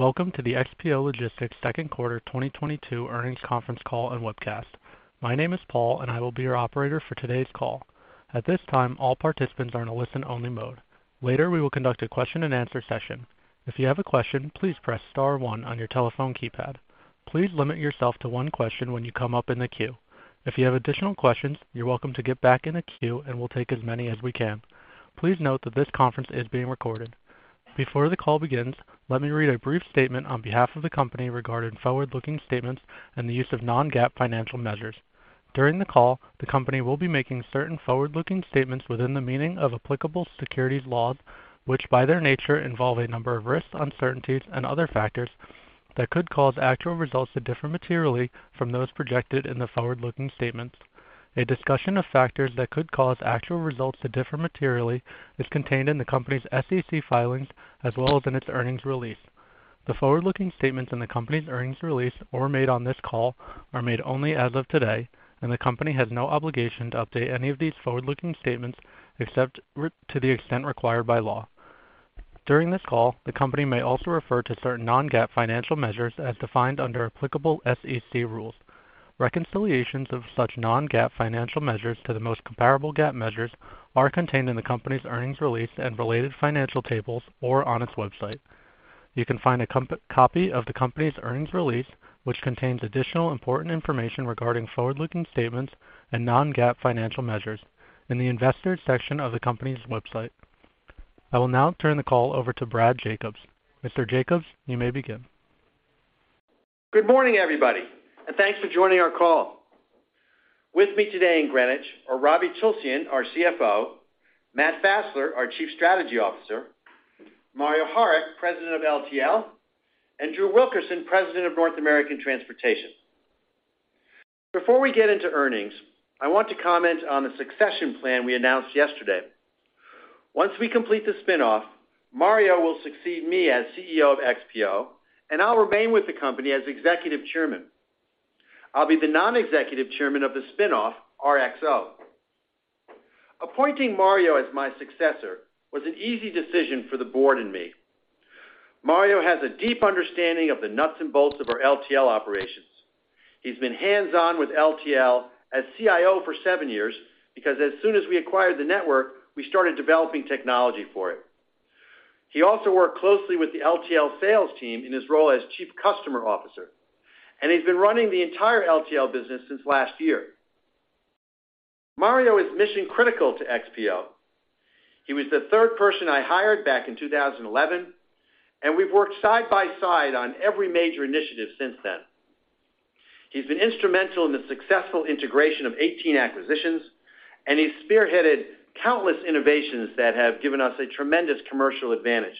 Welcome to the XPO Logistics Q2 2022 Earnings Conference Call and Webcast. My name is Paul, and I will be your operator for today's call. At this time, all participants are in a listen-only mode. Later, we will conduct a question-and-answer session. If you have a question, please press star one on your telephone keypad. Please limit yourself to one question when you come up in the queue. If you have additional questions, you're welcome to get back in the queue, and we'll take as many as we can. Please note that this conference is being recorded. Before the call begins, let me read a brief statement on behalf of the company regarding forward-looking statements and the use of non-GAAP financial measures. During the call, the company will be making certain forward-looking statements within the meaning of applicable securities laws, which, by their nature, involve a number of risks, uncertainties and other factors that could cause actual results to differ materially from those projected in the forward-looking statements. A discussion of factors that could cause actual results to differ materially is contained in the company's SEC filings as well as in its earnings release. The forward-looking statements in the company's earnings release or made on this call are made only as of today, and the company has no obligation to update any of these forward-looking statements except to the extent required by law. During this call, the company may also refer to certain non-GAAP financial measures as defined under applicable SEC rules. Reconciliations of such non-GAAP financial measures to the most comparable GAAP measures are contained in the company's earnings release and related financial tables or on its website. You can find a copy of the company's earnings release, which contains additional important information regarding forward-looking statements and non-GAAP financial measures in the Investors section of the company's website. I will now turn the call over to Brad Jacobs. Mr. Jacobs, you may begin. Good morning, everybody, and thanks for joining our call. With me today in Greenwich are Ravi Tulsyan, our CFO, Matt Fassler, our Chief Strategy Officer, Mario Harik, President of LTL, and Drew Wilkerson, President of North American Transportation. Before we get into earnings, I want to comment on the succession plan we announced yesterday. Once we complete the spin-off, Mario will succeed me as CEO of XPO, and I'll remain with the company as Executive Chairman. I'll be the Non-Executive Chairman of the spin-off, RXO. Appointing Mario as my successor was an easy decision for the board and me. Mario has a deep understanding of the nuts and bolts of our LTL operations. He's been hands-on with LTL as CIO for seven years because as soon as we acquired the network, we started developing technology for it. He also worked closely with the LTL sales team in his role as Chief Customer Officer, and he's been running the entire LTL business since last year. Mario is mission-critical to XPO. He was the third person I hired back in 2011, and we've worked side by side on every major initiative since then. He's been instrumental in the successful integration of 18 acquisitions, and he spearheaded countless innovations that have given us a tremendous commercial advantage.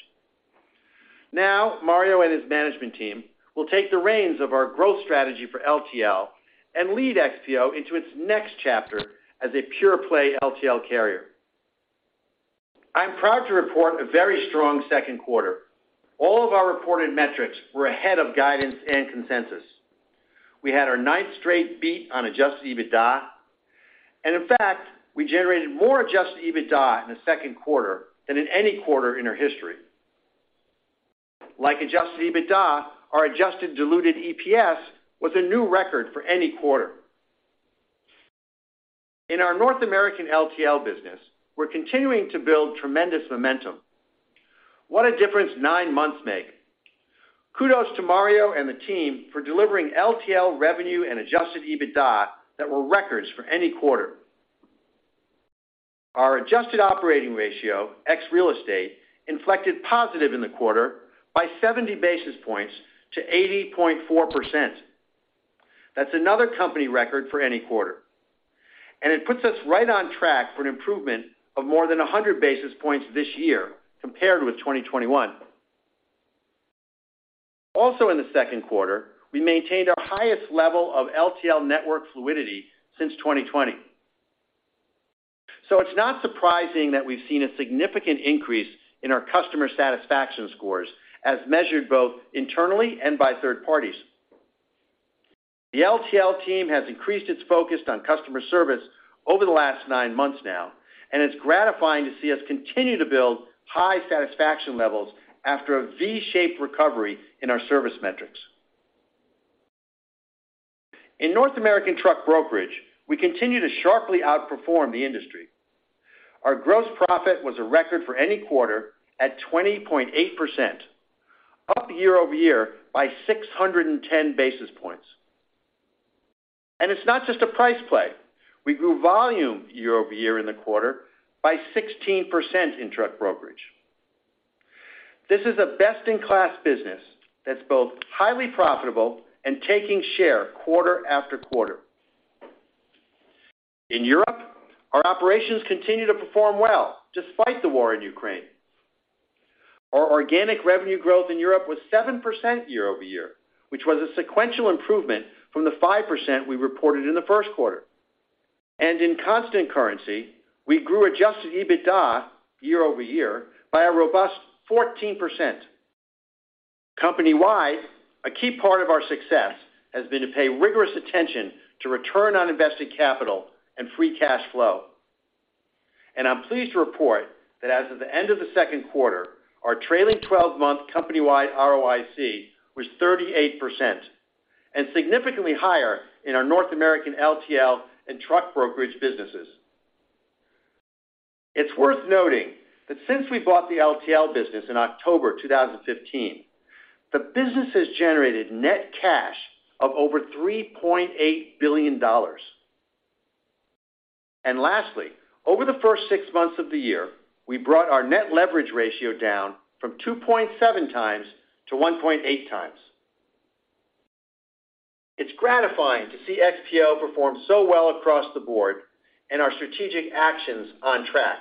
Now, Mario and his management team will take the reins of our growth strategy for LTL and lead XPO into its next chapter as a pure-play LTL carrier. I'm proud to report a very strong Q2. All of our reported metrics were ahead of guidance and consensus. We had our ninth straight beat on adjusted EBITDA, and in fact, we generated more adjusted EBITDA in the Q2 than in any quarter in our history. Like adjusted EBITDA, our adjusted diluted EPS was a new record for any quarter. In our North American LTL business, we're continuing to build tremendous momentum. What a difference nine months make. Kudos to Mario and the team for delivering LTL revenue and adjusted EBITDA that were records for any quarter. Our adjusted operating ratio, ex real estate, inflected positive in the quarter by 70 basis points to 80.4%. That's another company record for any quarter, and it puts us right on track for an improvement of more than 100 basis points this year compared with 2021. Also in the Q2, we maintained our highest level of LTL network fluidity since 2020. It's not surprising that we've seen a significant increase in our customer satisfaction scores as measured both internally and by third parties. The LTL team has increased its focus on customer service over the last nine months now, and it's gratifying to see us continue to build high satisfaction levels after a V-shaped recovery in our service metrics. In North American truck brokerage, we continue to sharply outperform the industry. Our gross profit was a record for any quarter at 20.8%, up year over year by 610 basis points. It's not just a price play. We grew volume year over year in the quarter by 16% in truck brokerage. This is a best-in-class business that's both highly profitable and taking share quarter after quarter. In Europe, our operations continue to perform well despite the war in Ukraine. Our organic revenue growth in Europe was 7% year over year, which was a sequential improvement from the 5% we reported in the Q1. In constant currency, we grew adjusted EBITDA year over year by a robust 14%. Company-wide, a key part of our success has been to pay rigorous attention to return on invested capital and free cash flow. I'm pleased to report that as of the end of the Q2, our trailing 12-month company-wide ROIC was 38%, and significantly higher in our North American LTL and truck brokerage businesses. It's worth noting that since we bought the LTL business in October 2015, the business has generated net cash of over $3.8 billion. Lastly, over the first six months of the year, we brought our net leverage ratio down from 2.7 times to 1.8 times. It's gratifying to see XPO perform so well across the board and our strategic actions on track.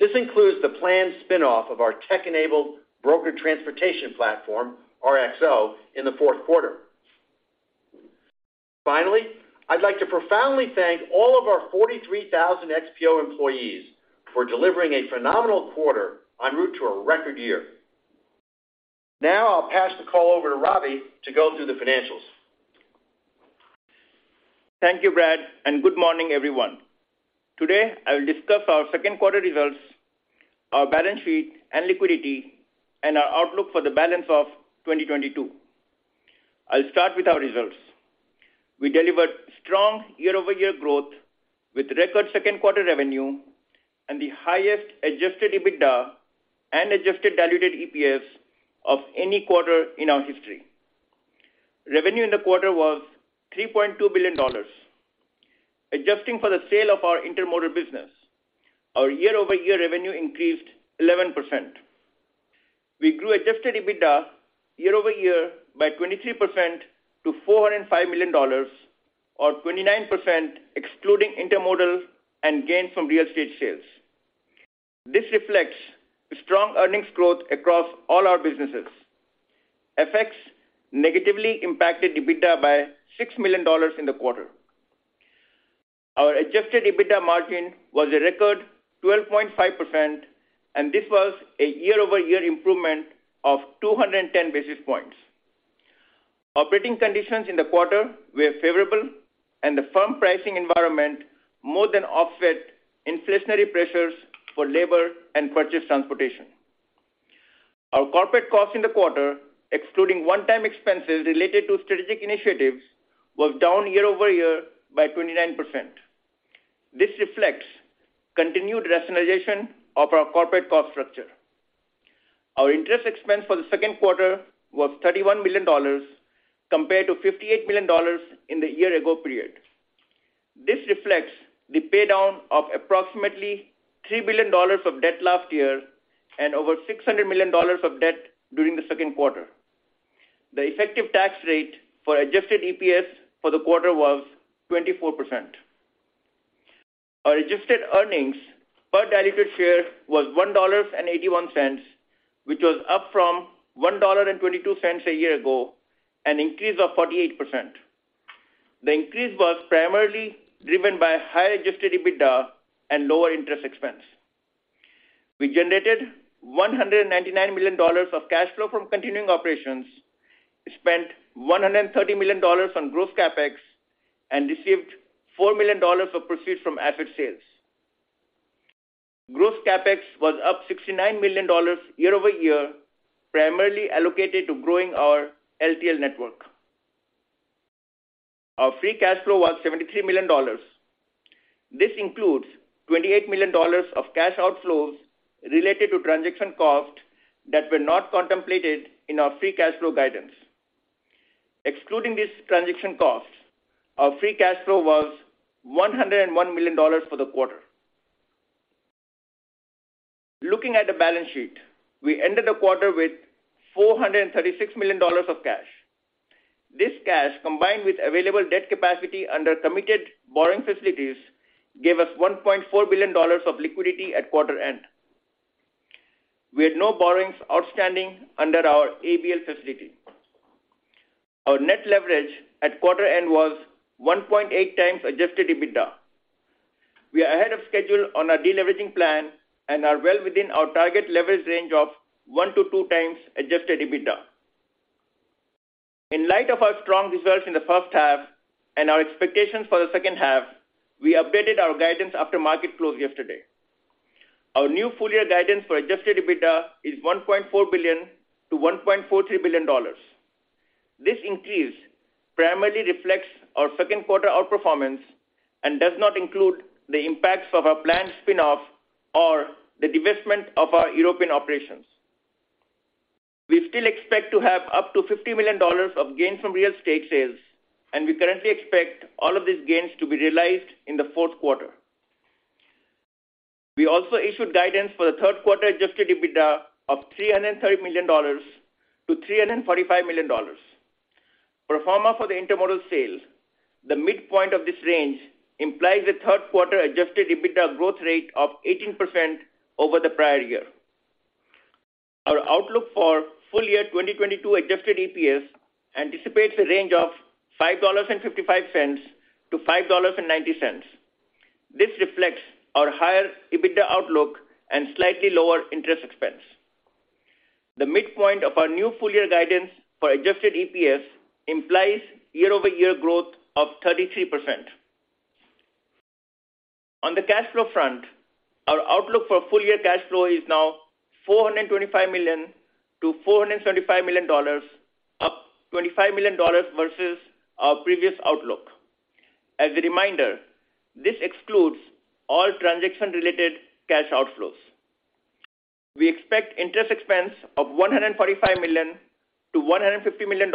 This includes the planned spin-off of our tech-enabled broker transportation platform, RXO, in the Q4. Finally, I'd like to profoundly thank all of our 43,000 XPO employees for delivering a phenomenal quarter en route to a record year. Now, I'll pass the call over to Ravi Tulsyan to go through the financials. Thank you, Brad, and good morning, everyone. Today, I will discuss our Q2 results, our balance sheet and liquidity, and our outlook for the balance of 2022. I'll start with our results. We delivered strong year-over-year growth with record Q2 revenue and the highest adjusted EBITDA and adjusted diluted EPS of any quarter in our history. Revenue in the quarter was $3.2 billion. Adjusting for the sale of our intermodal business, our year-over-year revenue increased 11%. We grew adjusted EBITDA year over year by 23% to $405 million or 29% excluding intermodal and gain from real estate sales. This reflects strong earnings growth across all our businesses. FX negatively impacted EBITDA by $6 million in the quarter. Our adjusted EBITDA margin was a record 12.5%, and this was a year-over-year improvement of 210 basis points. Operating conditions in the quarter were favorable and the firm pricing environment more than offset inflationary pressures for labor and purchase transportation. Our corporate costs in the quarter, excluding one-time expenses related to strategic initiatives, was down year-over-year by 29%. This reflects continued rationalization of our corporate cost structure. Our interest expense for the Q2 was $31 million compared to $58 million in the year-ago period. This reflects the pay down of approximately $3 billion of debt last year and over $600 million of debt during the Q2. The effective tax rate for adjusted EPS for the quarter was 24%. Our adjusted earnings per diluted share was $1.81, which was up from $1.22 a year ago, an increase of 48%. The increase was primarily driven by higher adjusted EBITDA and lower interest expense. We generated $199 million of cash flow from continuing operations, spent $130 million on growth CapEx, and received $4 million of proceeds from asset sales. Growth CapEx was up $69 million year over year, primarily allocated to growing our LTL network. Our free cash flow was $73 million. This includes $28 million of cash outflows related to transaction costs that were not contemplated in our free cash flow guidance. Excluding these transaction costs, our free cash flow was $101 million for the quarter. Looking at the balance sheet, we ended the quarter with $436 million of cash. This cash, combined with available debt capacity under committed borrowing facilities, gave us $1.4 billion of liquidity at quarter end. We had no borrowings outstanding under our ABL facility. Our net leverage at quarter end was 1.8 times adjusted EBITDA. We are ahead of schedule on our deleveraging plan and are well within our target leverage range of 1-2 times adjusted EBITDA. In light of our strong results in the first half and our expectations for the second half, we updated our guidance after market close yesterday. Our new full year guidance for adjusted EBITDA is $1.4 billion-$1.43 billion. This increase primarily reflects our Q2 outperformance and does not include the impacts of our planned spin-off or the divestment of our European operations. We still expect to have up to $50 million of gain from real estate sales, and we currently expect all of these gains to be realized in the Q4. We also issued guidance for the Q3 adjusted EBITDA of $330 million-$345 million. Pro forma for the intermodal sale, the midpoint of this range implies a Q3 adjusted EBITDA growth rate of 18% over the prior year. Our outlook for full year 2022 adjusted EPS anticipates a range of $5.55-$5.90. This reflects our higher EBITDA outlook and slightly lower interest expense. The midpoint of our new full-year guidance for adjusted EPS implies year-over-year growth of 33%. On the cash flow front, our outlook for full-year cash flow is now $425 million-$475 million, up $25 million versus our previous outlook. As a reminder, this excludes all transaction-related cash outflows. We expect interest expense of $145 million-$150 million,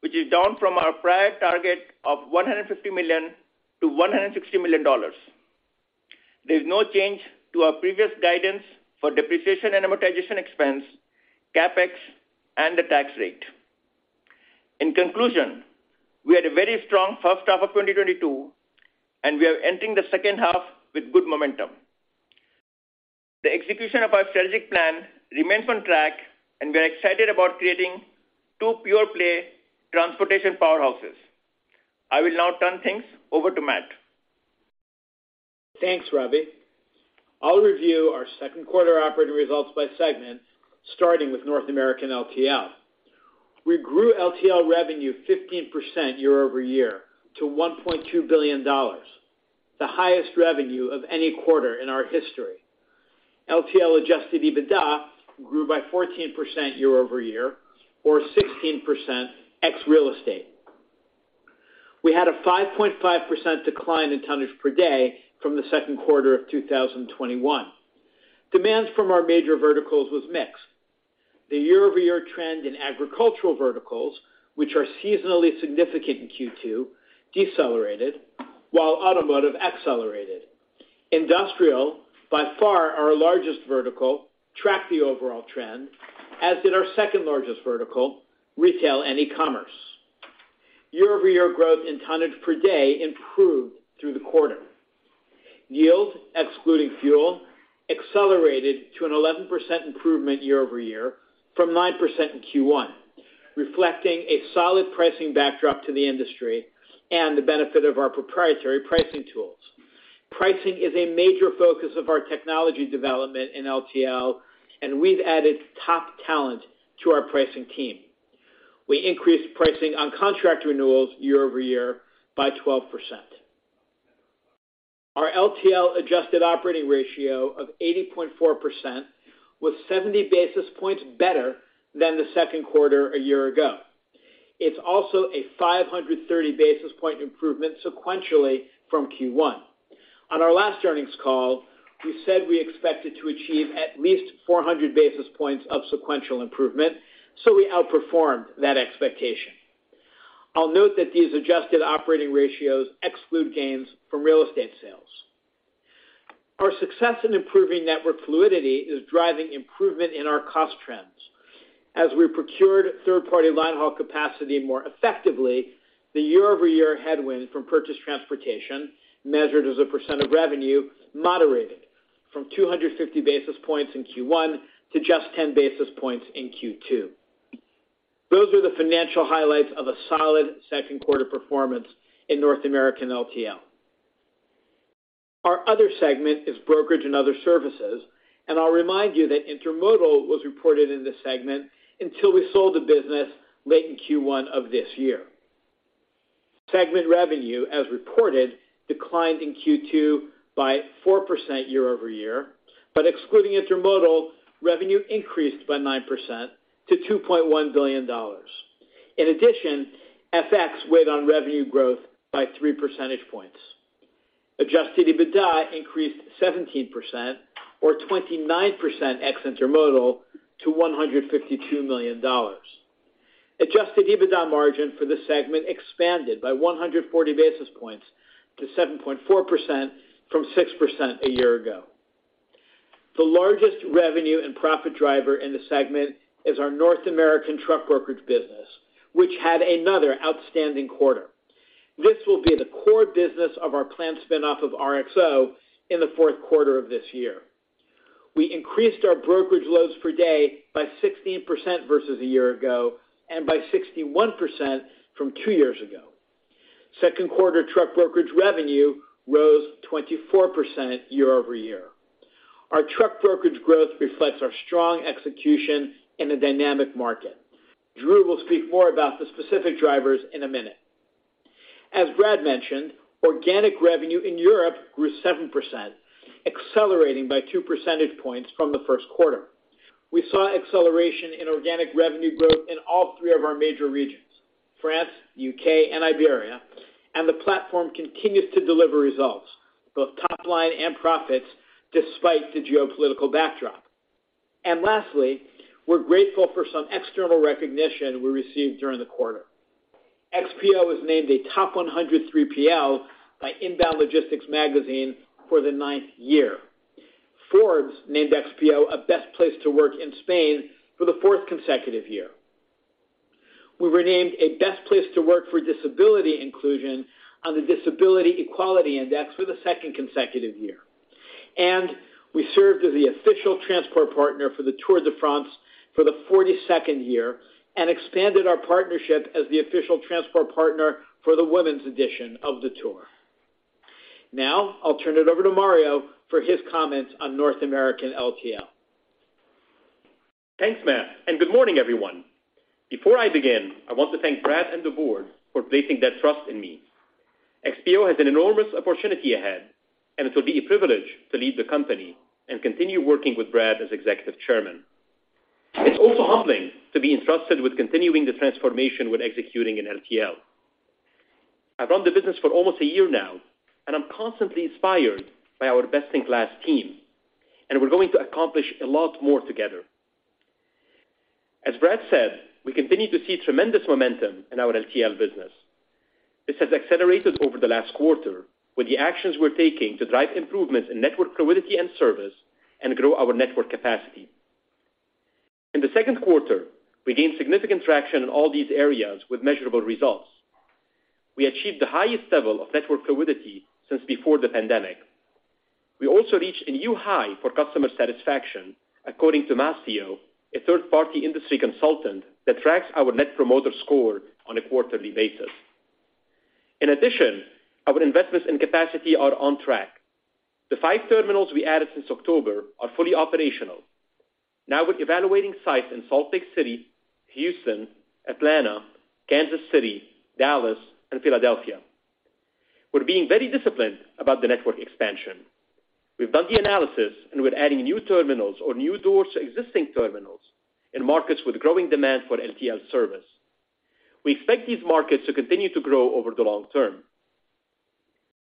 which is down from our prior target of $150 million-$160 million. There's no change to our previous guidance for depreciation and amortization expense, CapEx, and the tax rate. In conclusion, we had a very strong first half of 2022, and we are entering the second half with good momentum. The execution of our strategic plan remains on track, and we are excited about creating two pure play transportation powerhouses. I will now turn things over to Matt. Thanks, Ravi. I'll review our Q2 operating results by segment, starting with North American LTL. We grew LTL revenue 15% year-over-year to $1.2 billion, the highest revenue of any quarter in our history. LTL adjusted EBITDA grew by 14% year-over-year, or 16% ex real estate. We had a 5.5% decline in tonnage per day from the Q2 of 2021. Demands from our major verticals was mixed. The year-over-year trend in agricultural verticals, which are seasonally significant in Q2, decelerated while automotive accelerated. Industrial, by far our largest vertical, tracked the overall trend, as did our second-largest vertical, retail and e-commerce. Year-over-year growth in tonnage per day improved through the quarter. Yield, excluding fuel, accelerated to an 11% improvement year-over-year from 9% in Q1, reflecting a solid pricing backdrop to the industry and the benefit of our proprietary pricing tools. Pricing is a major focus of our technology development in LTL, and we've added top talent to our pricing team. We increased pricing on contract renewals year-over-year by 12%. Our LTL adjusted operating ratio of 80.4% was 70 basis points better than the Q2 a year ago. It's also a 530 basis point improvement sequentially from Q1. On our last earnings call, we said we expected to achieve at least 400 basis points of sequential improvement, so we outperformed that expectation. I'll note that these adjusted operating ratios exclude gains from real estate sales. Our success in improving network fluidity is driving improvement in our cost trends. As we procured third-party line haul capacity more effectively, the year-over-year headwind from purchase transportation, measured as a percent of revenue, moderated from 250 basis points in Q1 to just 10 basis points in Q2. Those are the financial highlights of a solid Q2 performance in North American LTL. Our other segment is brokerage and other services, and I'll remind you that intermodal was reported in this segment until we sold the business late in Q1 of this year. Segment revenue, as reported, declined in Q2 by 4% year-over-year, but excluding intermodal, revenue increased by 9% to $2.1 billion. In addition, FX weighed on revenue growth by 3 percentage points. Adjusted EBITDA increased 17% or 29% ex intermodal to $152 million. Adjusted EBITDA margin for the segment expanded by 140 basis points to 7.4% from 6% a year ago. The largest revenue and profit driver in the segment is our North American truck brokerage business, which had another outstanding quarter. This will be the core business of our planned spin-off of RXO in the Q4 of this year. We increased our brokerage loads per day by 16% versus a year ago and by 61% from two years ago. Q2 truck brokerage revenue rose 24% year-over-year. Our truck brokerage growth reflects our strong execution in a dynamic market. Drew will speak more about the specific drivers in a minute. As Brad mentioned, organic revenue in Europe grew 7%, accelerating by 2 percentage points from the Q1. We saw acceleration in organic revenue growth in all three of our major regions, France, U.K., and Iberia, and the platform continues to deliver results, both top line and profits, despite the geopolitical backdrop. Lastly, we're grateful for some external recognition we received during the quarter. XPO was named a top 100 3PL by Inbound Logistics Magazine for the ninth year. Forbes named XPO a best place to work in Spain for the fourth consecutive year. We were named a best place to work for disability inclusion on the Disability Equality Index for the second consecutive year. We served as the official transport partner for the Tour de France for the 42nd year and expanded our partnership as the official transport partner for the women's edition of the Tour. Now I'll turn it over to Mario for his comments on North American LTL. Thanks, Matt, and good morning, everyone. Before I begin, I want to thank Brad and the board for placing their trust in me. XPO has an enormous opportunity ahead, and it will be a privilege to lead the company and continue working with Brad as executive chairman. It's also humbling to be entrusted with continuing the transformation we're executing in LTL. I've run the business for almost a year now, and I'm constantly inspired by our best-in-class team, and we're going to accomplish a lot more together. As Brad said, we continue to see tremendous momentum in our LTL business. This has accelerated over the last quarter with the actions we're taking to drive improvements in network fluidity and service and grow our network capacity. In the Q2, we gained significant traction in all these areas with measurable results. We achieved the highest level of network fluidity since before the pandemic. We also reached a new high for customer satisfaction, according to Mastio, a third-party industry consultant that tracks our Net Promoter Score on a quarterly basis. In addition, our investments in capacity are on track. The 5 terminals we added since October are fully operational. Now we're evaluating sites in Salt Lake City, Houston, Atlanta, Kansas City, Dallas, and Philadelphia. We're being very disciplined about the network expansion. We've done the analysis, and we're adding new terminals or new doors to existing terminals in markets with growing demand for LTL service. We expect these markets to continue to grow over the long term.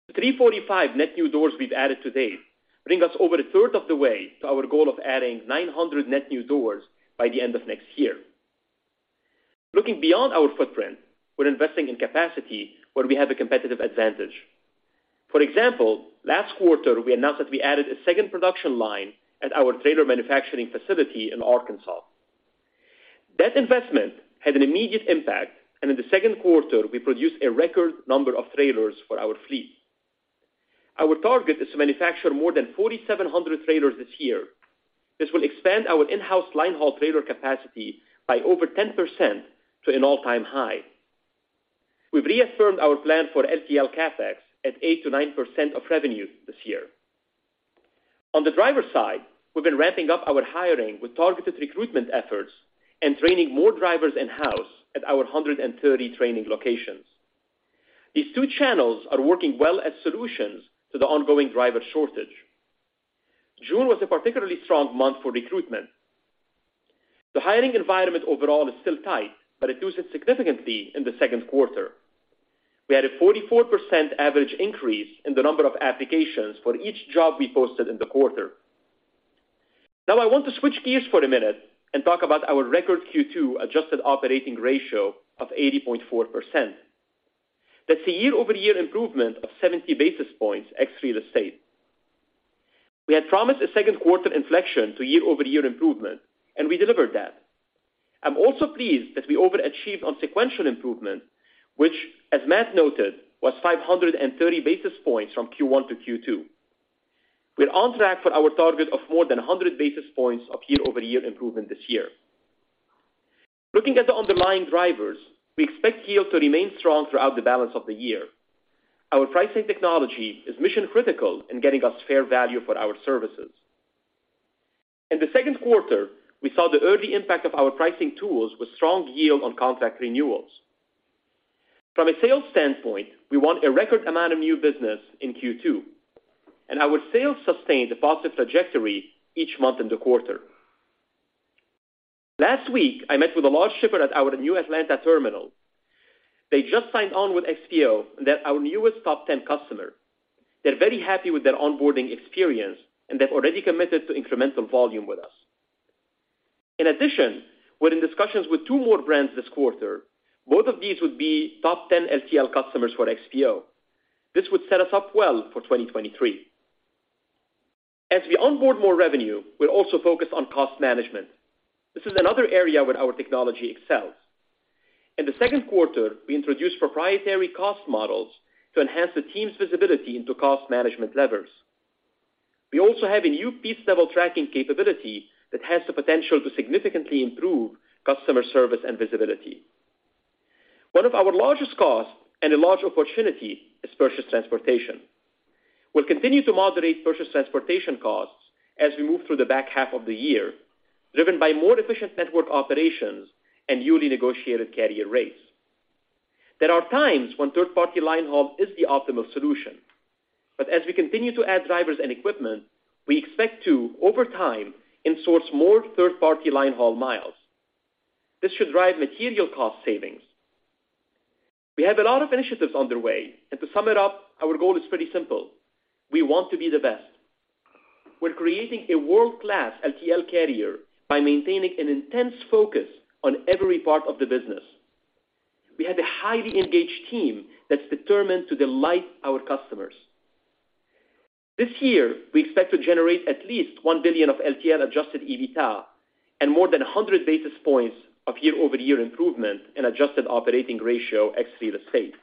The 345 net new doors we've added to date bring us over a third of the way to our goal of adding 900 net new doors by the end of next year. Looking beyond our footprint, we're investing in capacity where we have a competitive advantage. For example, last quarter, we announced that we added a second production line at our trailer manufacturing facility in Arkansas. That investment had an immediate impact, and in the Q2, we produced a record number of trailers for our fleet. Our target is to manufacture more than 4,700 trailers this year. This will expand our in-house line haul trailer capacity by over 10% to an all-time high. We've reaffirmed our plan for LTL CapEx at 8%-9% of revenue this year. On the driver side, we've been ramping up our hiring with targeted recruitment efforts and training more drivers in-house at our 130 training locations. These two channels are working well as solutions to the ongoing driver shortage. June was a particularly strong month for recruitment. The hiring environment overall is still tight, but it loosened significantly in the Q2. We had a 44% average increase in the number of applications for each job we posted in the quarter. Now I want to switch gears for a minute and talk about our record Q2 adjusted operating ratio of 80.4%. That's a year-over-year improvement of 70 basis points ex real estate. We had promised a Q2 inflection to year-over-year improvement, and we delivered that. I'm also pleased that we overachieved on sequential improvement, which, as Matt noted, was 530 basis points from Q1 to Q2. We're on track for our target of more than 100 basis points of year-over-year improvement this year. Looking at the underlying drivers, we expect yield to remain strong throughout the balance of the year. Our pricing technology is mission-critical in getting us fair value for our services. In the Q2, we saw the early impact of our pricing tools with strong yield on contract renewals. From a sales standpoint, we won a record amount of new business in Q2, and our sales sustained a positive trajectory each month in the quarter. Last week, I met with a large shipper at our new Atlanta terminal. They just signed on with XPO, and they're our newest top 10 customer. They're very happy with their onboarding experience, and they've already committed to incremental volume with us. In addition, we're in discussions with two more brands this quarter. Both of these would be top 10 LTL customers for XPO. This would set us up well for 2023. As we onboard more revenue, we're also focused on cost management. This is another area where our technology excels. In the Q2, we introduced proprietary cost models to enhance the team's visibility into cost management levers. We also have a new piece-level tracking capability that has the potential to significantly improve customer service and visibility. One of our largest costs and a large opportunity is purchase transportation. We'll continue to moderate purchase transportation costs as we move through the back half of the year, driven by more efficient network operations and newly negotiated carrier rates. There are times when third-party line haul is the optimal solution. As we continue to add drivers and equipment, we expect to, over time, insource more third-party line haul miles. This should drive material cost savings. We have a lot of initiatives underway. To sum it up, our goal is pretty simple: We want to be the best. We're creating a world-class LTL carrier by maintaining an intense focus on every part of the business. We have a highly engaged team that's determined to delight our customers. This year, we expect to generate at least $1 billion of LTL-adjusted EBITDA and more than 100 basis points of year-over-year improvement in adjusted operating ratio ex real estate.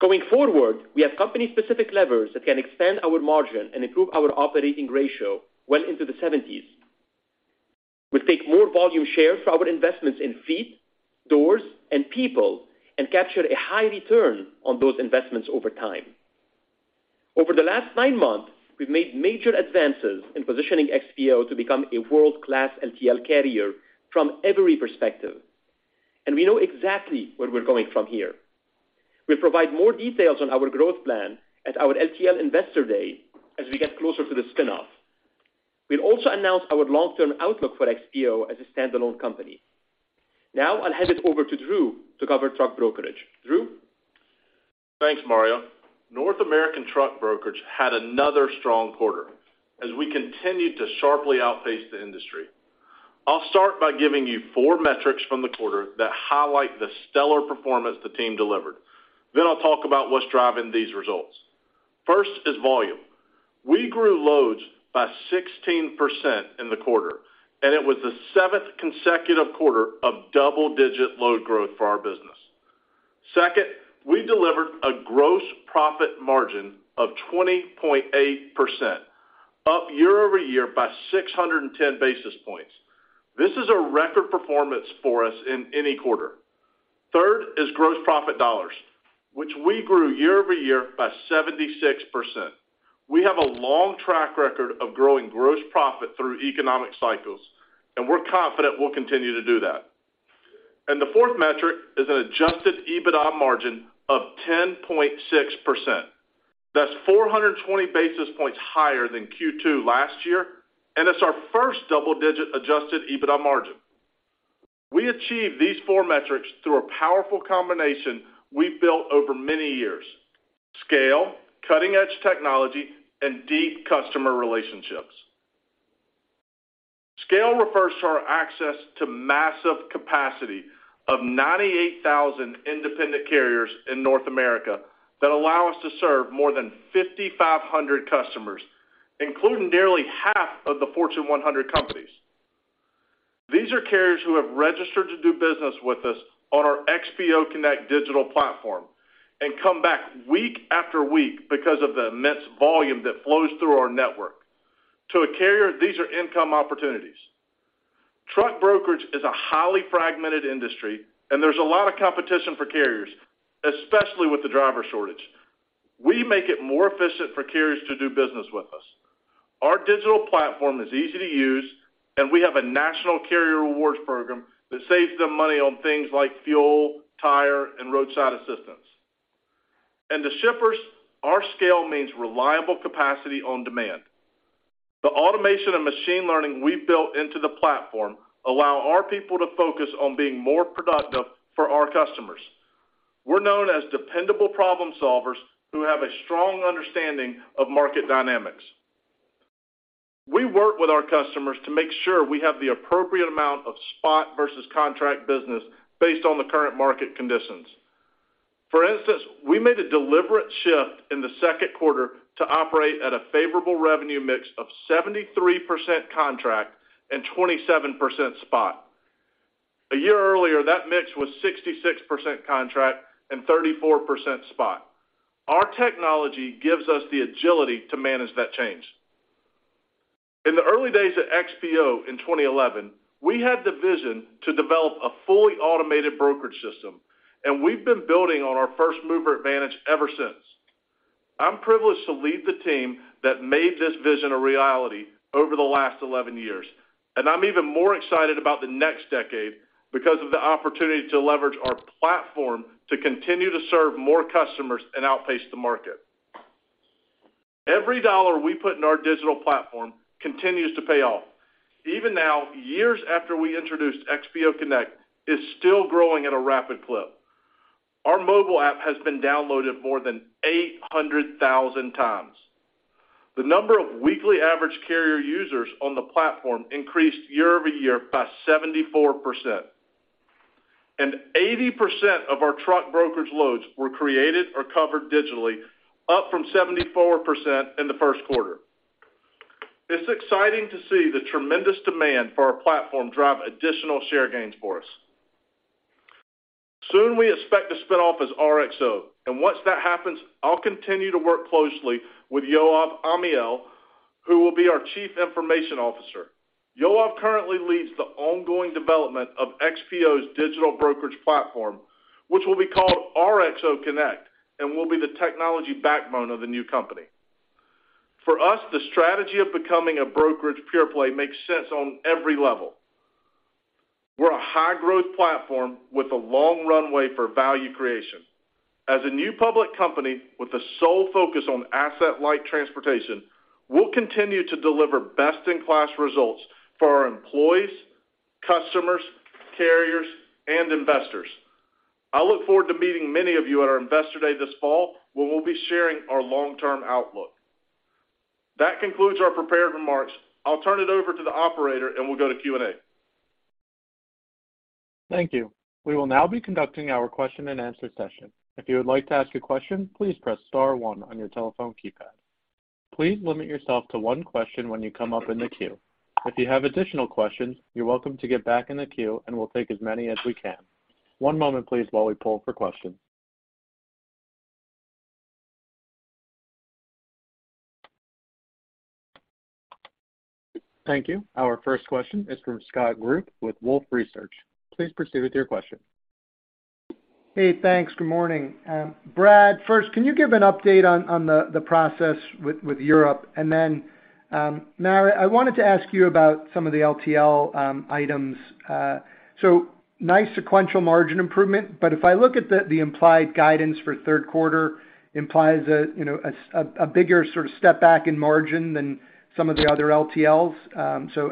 Going forward, we have company-specific levers that can expand our margin and improve our operating ratio well into the seventies. We take more volume share from our investments in feet, doors, and people, and capture a high return on those investments over time. Over the last nine months, we've made major advances in positioning XPO to become a world-class LTL carrier from every perspective, and we know exactly where we're going from here. We'll provide more details on our growth plan at our LTL Investor Day as we get closer to the spin-off. We'll also announce our long-term outlook for XPO as a standalone company. Now I'll hand it over to Drew to cover truck brokerage. Drew? Thanks, Mario. North American truck brokerage had another strong quarter as we continued to sharply outpace the industry. I'll start by giving you four metrics from the quarter that highlight the stellar performance the team delivered. I'll talk about what's driving these results. First is volume. We grew loads by 16% in the quarter, and it was the seventh consecutive quarter of double-digit load growth for our business. Second, we delivered a gross profit margin of 20.8%, up year-over-year by 610 basis points. This is a record performance for us in any quarter. Third is gross profit dollars, which we grew year-over-year by 76%. We have a long track record of growing gross profit through economic cycles, and we're confident we'll continue to do that. The fourth metric is an adjusted EBITDA margin of 10.6%. That's 420 basis points higher than Q2 last year, and it's our first double-digit adjusted EBITDA margin. We achieved these 4 metrics through a powerful combination we've built over many years. Scale, cutting-edge technology, and deep customer relationships. Scale refers to our access to massive capacity of 98,000 independent carriers in North America that allow us to serve more than 5,500 customers, including nearly half of the Fortune 100 companies. These are carriers who have registered to do business with us on our XPO Connect digital platform and come back week after week because of the immense volume that flows through our network. To a carrier, these are income opportunities. Truck brokerage is a highly fragmented industry, and there's a lot of competition for carriers, especially with the driver shortage. We make it more efficient for carriers to do business with us. Our digital platform is easy to use, and we have a national carrier rewards program that saves them money on things like fuel, tire, and roadside assistance. To shippers, our scale means reliable capacity on demand. The automation and machine learning we've built into the platform allow our people to focus on being more productive for our customers. We're known as dependable problem-solvers who have a strong understanding of market dynamics. We work with our customers to make sure we have the appropriate amount of spot versus contract business based on the current market conditions. For instance, we made a deliberate shift in the Q2 to operate at a favorable revenue mix of 73% contract and 27% spot. A year earlier, that mix was 66% contract and 34% spot. Our technology gives us the agility to manage that change. In the early days at XPO in 2011, we had the vision to develop a fully automated brokerage system, and we've been building on our first-mover advantage ever since. I'm privileged to lead the team that made this vision a reality over the last 11 years, and I'm even more excited about the next decade because of the opportunity to leverage our platform to continue to serve more customers and outpace the market. Every dollar we put in our digital platform continues to pay off. Even now, years after we introduced XPO Connect, it's still growing at a rapid clip. Our mobile app has been downloaded more than 800,000 times. The number of weekly average carrier users on the platform increased year-over-year by 74%. Eighty percent of our truck brokerage loads were created or covered digitally, up from 74% in the Q1. It's exciting to see the tremendous demand for our platform drive additional share gains for us. Soon, we expect to spin off as RXO, and once that happens, I'll continue to work closely with Yoav Amiel, who will be our Chief Information Officer. Yoav currently leads the ongoing development of XPO's digital brokerage platform, which will be called RXO Connect and will be the technology backbone of the new company. For us, the strategy of becoming a brokerage pure play makes sense on every level. We're a high-growth platform with a long runway for value creation. As a new public company with a sole focus on asset-light transportation, we'll continue to deliver best-in-class results for our employees, customers, carriers, and investors. I look forward to meeting many of you at our Investor Day this fall, where we'll be sharing our long-term outlook. That concludes our prepared remarks. I'll turn it over to the operator, and we'll go to Q&A. Thank you. We will now be conducting our question-and-answer session. If you would like to ask a question, please press star one on your telephone keypad. Please limit yourself to one question when you come up in the queue. If you have additional questions, you're welcome to get back in the queue, and we'll take as many as we can. One moment, please, while we pull for questions. Thank you. Our first question is from Scott Group with Wolfe Research. Please proceed with your question. Hey, thanks. Good morning. Brad, first, can you give an update on the process with Europe? Mario, I wanted to ask you about some of the LTL items. Nice sequential margin improvement, but if I look at the implied guidance for Q3 implies a you know a bigger sort of step back in margin than some of the other LTLs.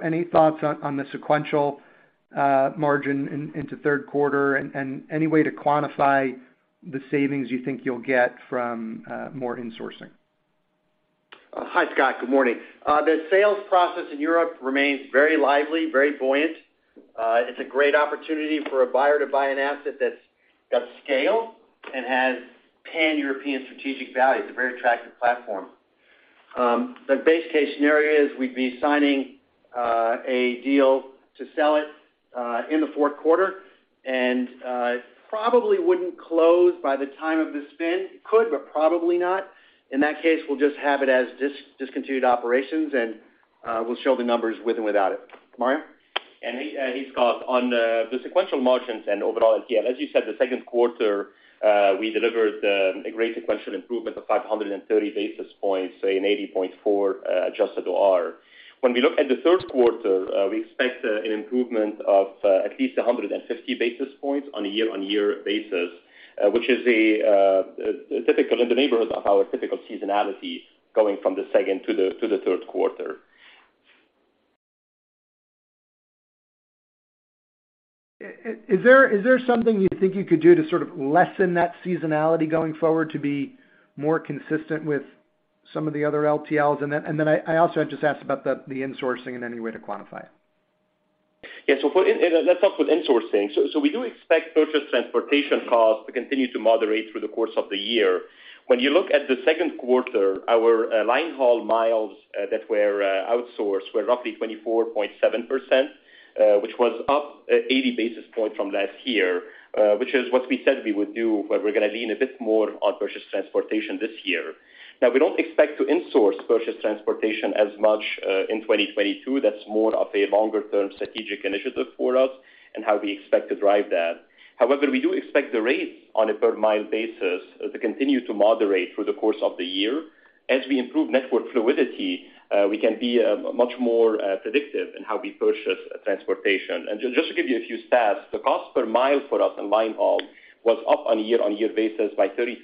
Any thoughts on the sequential margin into Q3, and any way to quantify the savings you think you'll get from more insourcing? Hi, Scott. Good morning. The sales process in Europe remains very lively, very buoyant. It's a great opportunity for a buyer to buy an asset that's got scale and has Pan-European strategic value. It's a very attractive platform. The base case scenario is we'd be signing a deal to sell it in the Q4, and it probably wouldn't close by the time of the spin. It could, but probably not. In that case, we'll just have it as discontinued operations, and we'll show the numbers with and without it. Mario? Hey, Scott. On the sequential margins and overall LTL, as you said, the Q2, we delivered a great sequential improvement of 530 basis points to an 80.4 adjusted OR. When we look at the Q3, we expect an improvement of at least 150 basis points on a year-over-year basis, which is typical in the neighborhood of our typical seasonality going from the second to the Q3. Is there something you think you could do to sort of lessen that seasonality going forward to be more consistent with some of the other LTLs? I also had just asked about the insourcing in any way to quantify it? Yeah. Let's start with insourcing. We do expect purchase transportation costs to continue to moderate through the course of the year. When you look at the Q2, our line haul miles that were outsourced were roughly 24.7%, which was up 80 basis points from last year, which is what we said we would do, where we're gonna lean a bit more on purchase transportation this year. Now, we don't expect to insource purchase transportation as much in 2022. That's more of a longer term strategic initiative for us and how we expect to drive that. However, we do expect the rates on a per mile basis to continue to moderate through the course of the year. As we improve network fluidity, we can be much more predictive in how we purchase transportation. Just to give you a few stats, the cost per mile for us in line haul was up on a year-on-year basis by 33%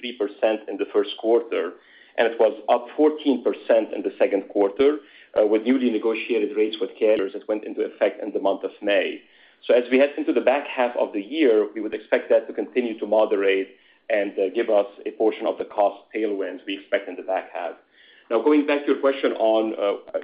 in the Q1, and it was up 14% in the Q2, with newly negotiated rates with carriers that went into effect in the month of May. As we head into the back half of the year, we would expect that to continue to moderate and give us a portion of the cost tailwinds we expect in the back half. Now going back to your question on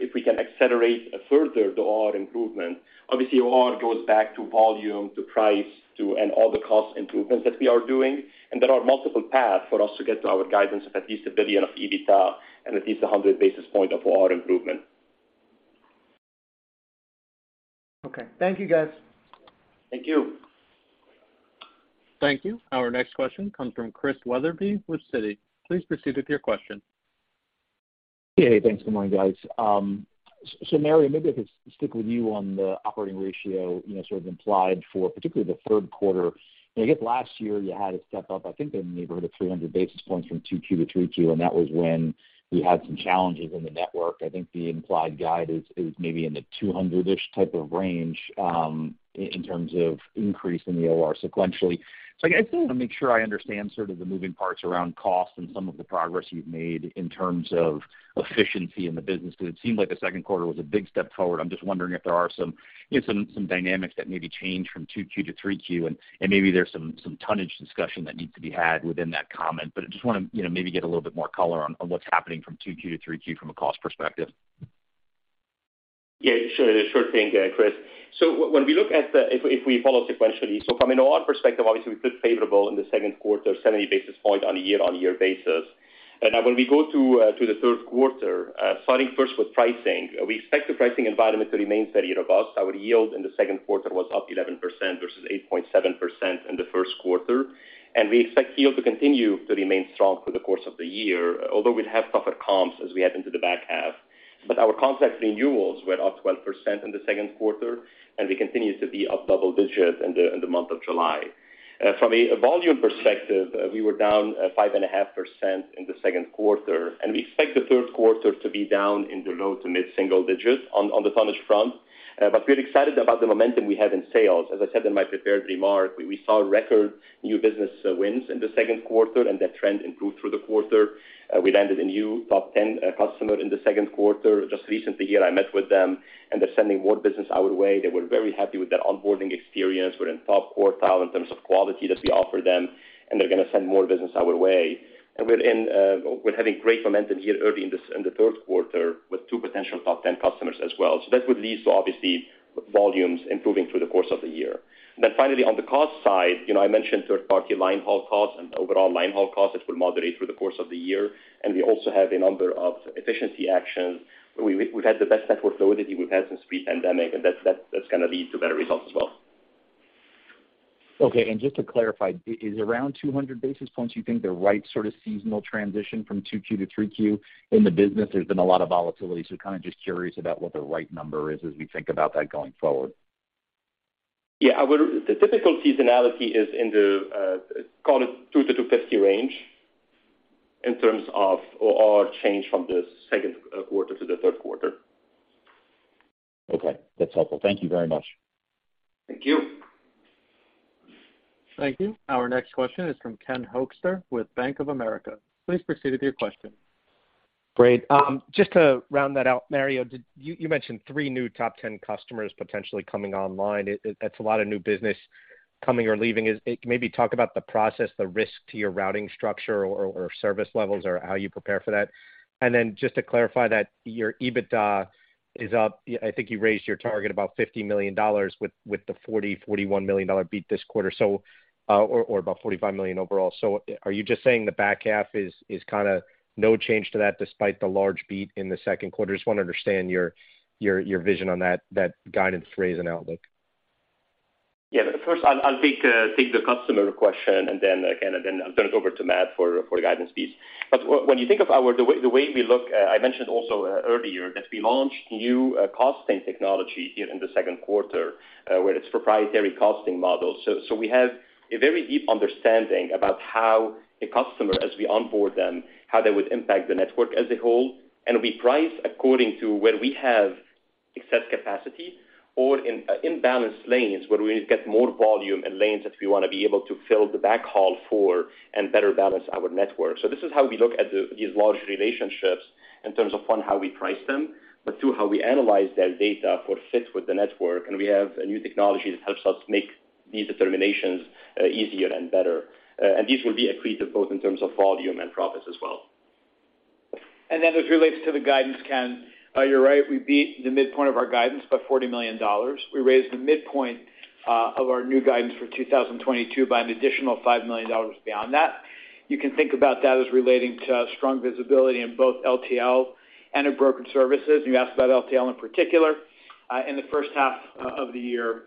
if we can accelerate further the OR improvement, obviously OR goes back to volume, to price, to All the cost improvements that we are doing, and there are multiple paths for us to get to our guidance of at least $1 billion of EBITDA and at least 100 basis points of OR improvement. Okay. Thank you, guys. Thank you. Thank you. Our next question comes from Christian Wetherbee with Citi. Please proceed with your question. Yeah. Thanks. Good morning, guys. So Mario, maybe I could stick with you on the operating ratio, you know, sort of implied for particularly the Q3. I guess last year you had it step up, I think in the neighborhood of 300 basis points from 2Q to 3Q, and that was when you had some challenges in the network. I think the implied guide is maybe in the 200-ish type of range, in terms of increase in the OR sequentially. I guess I want to make sure I understand sort of the moving parts around cost and some of the progress you've made in terms of efficiency in the business, because it seemed like the Q2 was a big step forward. I'm just wondering if there are some, you know, some dynamics that maybe change from 2Q to 3Q, and maybe there's some tonnage discussion that needs to be had within that comment. I just want to, you know, maybe get a little bit more color on what's happening from 2Q to 3Q from a cost perspective. Yeah, sure. Sure thing, Chris. When we look at the, if we follow sequentially, so from an OR perspective, obviously we did favorable in the Q2, 70 basis point on a year-on-year basis. Now when we go to the Q3, starting first with pricing, we expect the pricing environment to remain very robust. Our yield in the Q2 was up 11% versus 8.7% in the Q1. We expect yield to continue to remain strong through the course of the year, although we'll have tougher comps as we head into the back half. Our contract renewals were up 12% in the Q2, and we continue to be up double digit in the month of July. From a volume perspective, we were down 5.5% in the Q2, and we expect the Q3 to be down in the low- to mid-single digits on the tonnage front. We're excited about the momentum we have in sales. As I said in my prepared remark, we saw record new business wins in the Q2, and that trend improved through the quarter. We landed a new top ten customer in the Q2. Just recently here I met with them, and they're sending more business our way. They were very happy with their onboarding experience. We're in top quartile in terms of quality that we offer them, and they're gonna send more business our way. We're having great momentum here early in the Q3 with 2 potential top 10 customers as well. That would lead to obviously volumes improving through the course of the year. Finally, on the cost side, you know, I mentioned third-party line haul costs and overall line haul costs that will moderate through the course of the year. We also have a number of efficiency actions. We've had the best network fluidity we've had since pre-pandemic, and that's gonna lead to better results as well. Okay. Just to clarify, is around 200 basis points you think the right sort of seasonal transition from 2Q to 3Q in the business? There's been a lot of volatility, so kind of just curious about what the right number is as we think about that going forward. Our typical seasonality is in the call it 200-250 range in terms of OR change from the Q2 to the Q3. Okay. That's helpful. Thank you very much. Thank you. Thank you. Our next question is from Ken Hoexter with Bank of America. Please proceed with your question. Great. Just to round that out, Mario, did you mention three new top ten customers potentially coming online. That's a lot of new business coming or leaving. Maybe talk about the process, the risk to your routing structure or service levels, or how you prepare for that. Just to clarify that your EBITDA is up. I think you raised your target about $50 million with the $41 million beat this quarter, so or about $45 million overall. Are you just saying the back half is kinda no change to that despite the large beat in the Q2? Just wanna understand your vision on that guidance raise and outlook. Yeah. First I'll take the customer question, and then, Ken, I'll turn it over to Matt for guidance fees. When you think of the way we look, I mentioned also earlier that we launched new costing technology here in the Q2 with its proprietary costing model. We have a very deep understanding about how a customer, as we onboard them, how they would impact the network as a whole. We price according to where we have excess capacity or in imbalanced lanes where we get more volume and lanes that we wanna be able to fill the backhaul for and better balance our network. This is how we look at these large relationships in terms of, one, how we price them, but two, how we analyze their data for fit with the network. We have a new technology that helps us make these determinations easier and better. These will be accretive both in terms of volume and profits as well. As it relates to the guidance, Ken, you're right, we beat the midpoint of our guidance by $40 million. We raised the midpoint of our new guidance for 2022 by an additional $5 million beyond that. You can think about that as relating to strong visibility in both LTL and in brokerage services. You asked about LTL in particular. In the first half of the year,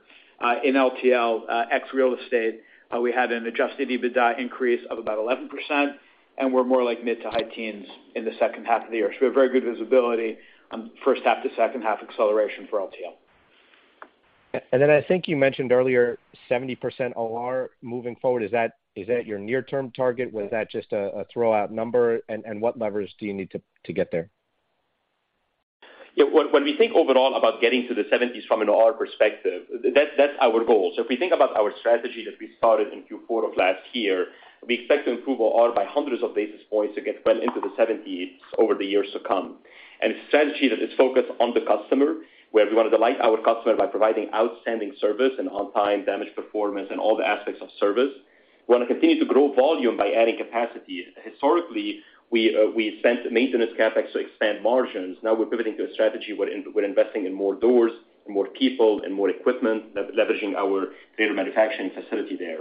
in LTL ex real estate, we had an adjusted EBITDA increase of about 11%, and we're more like mid- to high-teens% in the second half of the year. We have very good visibility on first half to second half acceleration for LTL. I think you mentioned earlier 70% OR moving forward. Is that your near-term target? Was that just a throwaway number? What levers do you need to get there? Yeah. When we think overall about getting to the seventies from an OR perspective, that's our goal. If we think about our strategy that we started in Q4 of last year, we expect to improve OR by hundreds of basis points to get well into the seventies over the years to come. A strategy that is focused on the customer, where we want to delight our customer by providing outstanding service and on-time, damage-free performance and all the aspects of service. We want to continue to grow volume by adding capacity. Historically, we spent maintenance CapEx to expand margins. Now we're pivoting to a strategy. We're investing in more doors and more people and more equipment, leveraging our data manufacturing facility there.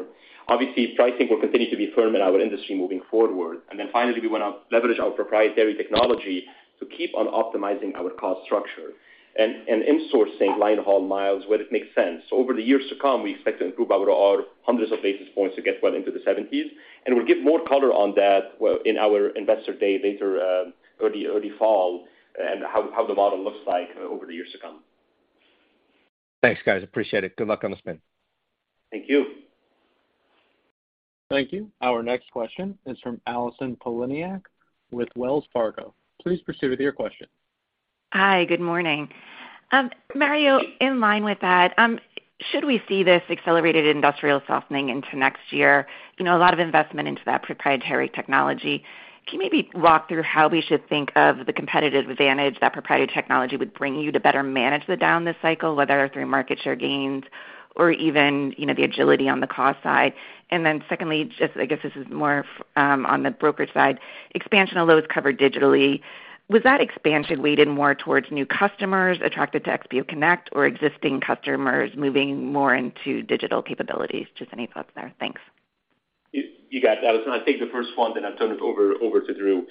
Obviously, pricing will continue to be firm in our industry moving forward. Finally, we want to leverage our proprietary technology to keep on optimizing our cost structure and insourcing linehaul miles where it makes sense. Over the years to come, we expect to improve our OR hundreds of basis points to get well into the seventies, and we'll give more color on that in our investor day later, early fall and how the model looks like over the years to come. Thanks, guys. Appreciate it. Good luck on the spin. Thank you. Thank you. Our next question is from Allison Poliniak-Cusic with Wells Fargo. Please proceed with your question. Hi. Good morning. Mario, in line with that, should we see this accelerated industrial softening into next year? You know, a lot of investment into that proprietary technology. Can you maybe walk through how we should think of the competitive advantage that proprietary technology would bring you to better manage the down this cycle, whether through market share gains or even, you know, the agility on the cost side? Then secondly, just I guess this is more on the brokerage side, expansion of loads covered digitally. Was that expansion weighted more towards new customers attracted to XPO Connect or existing customers moving more into digital capabilities? Just any thoughts there. Thanks. You got it, Allison. I'll take the first one, then I'll turn it over to Drew.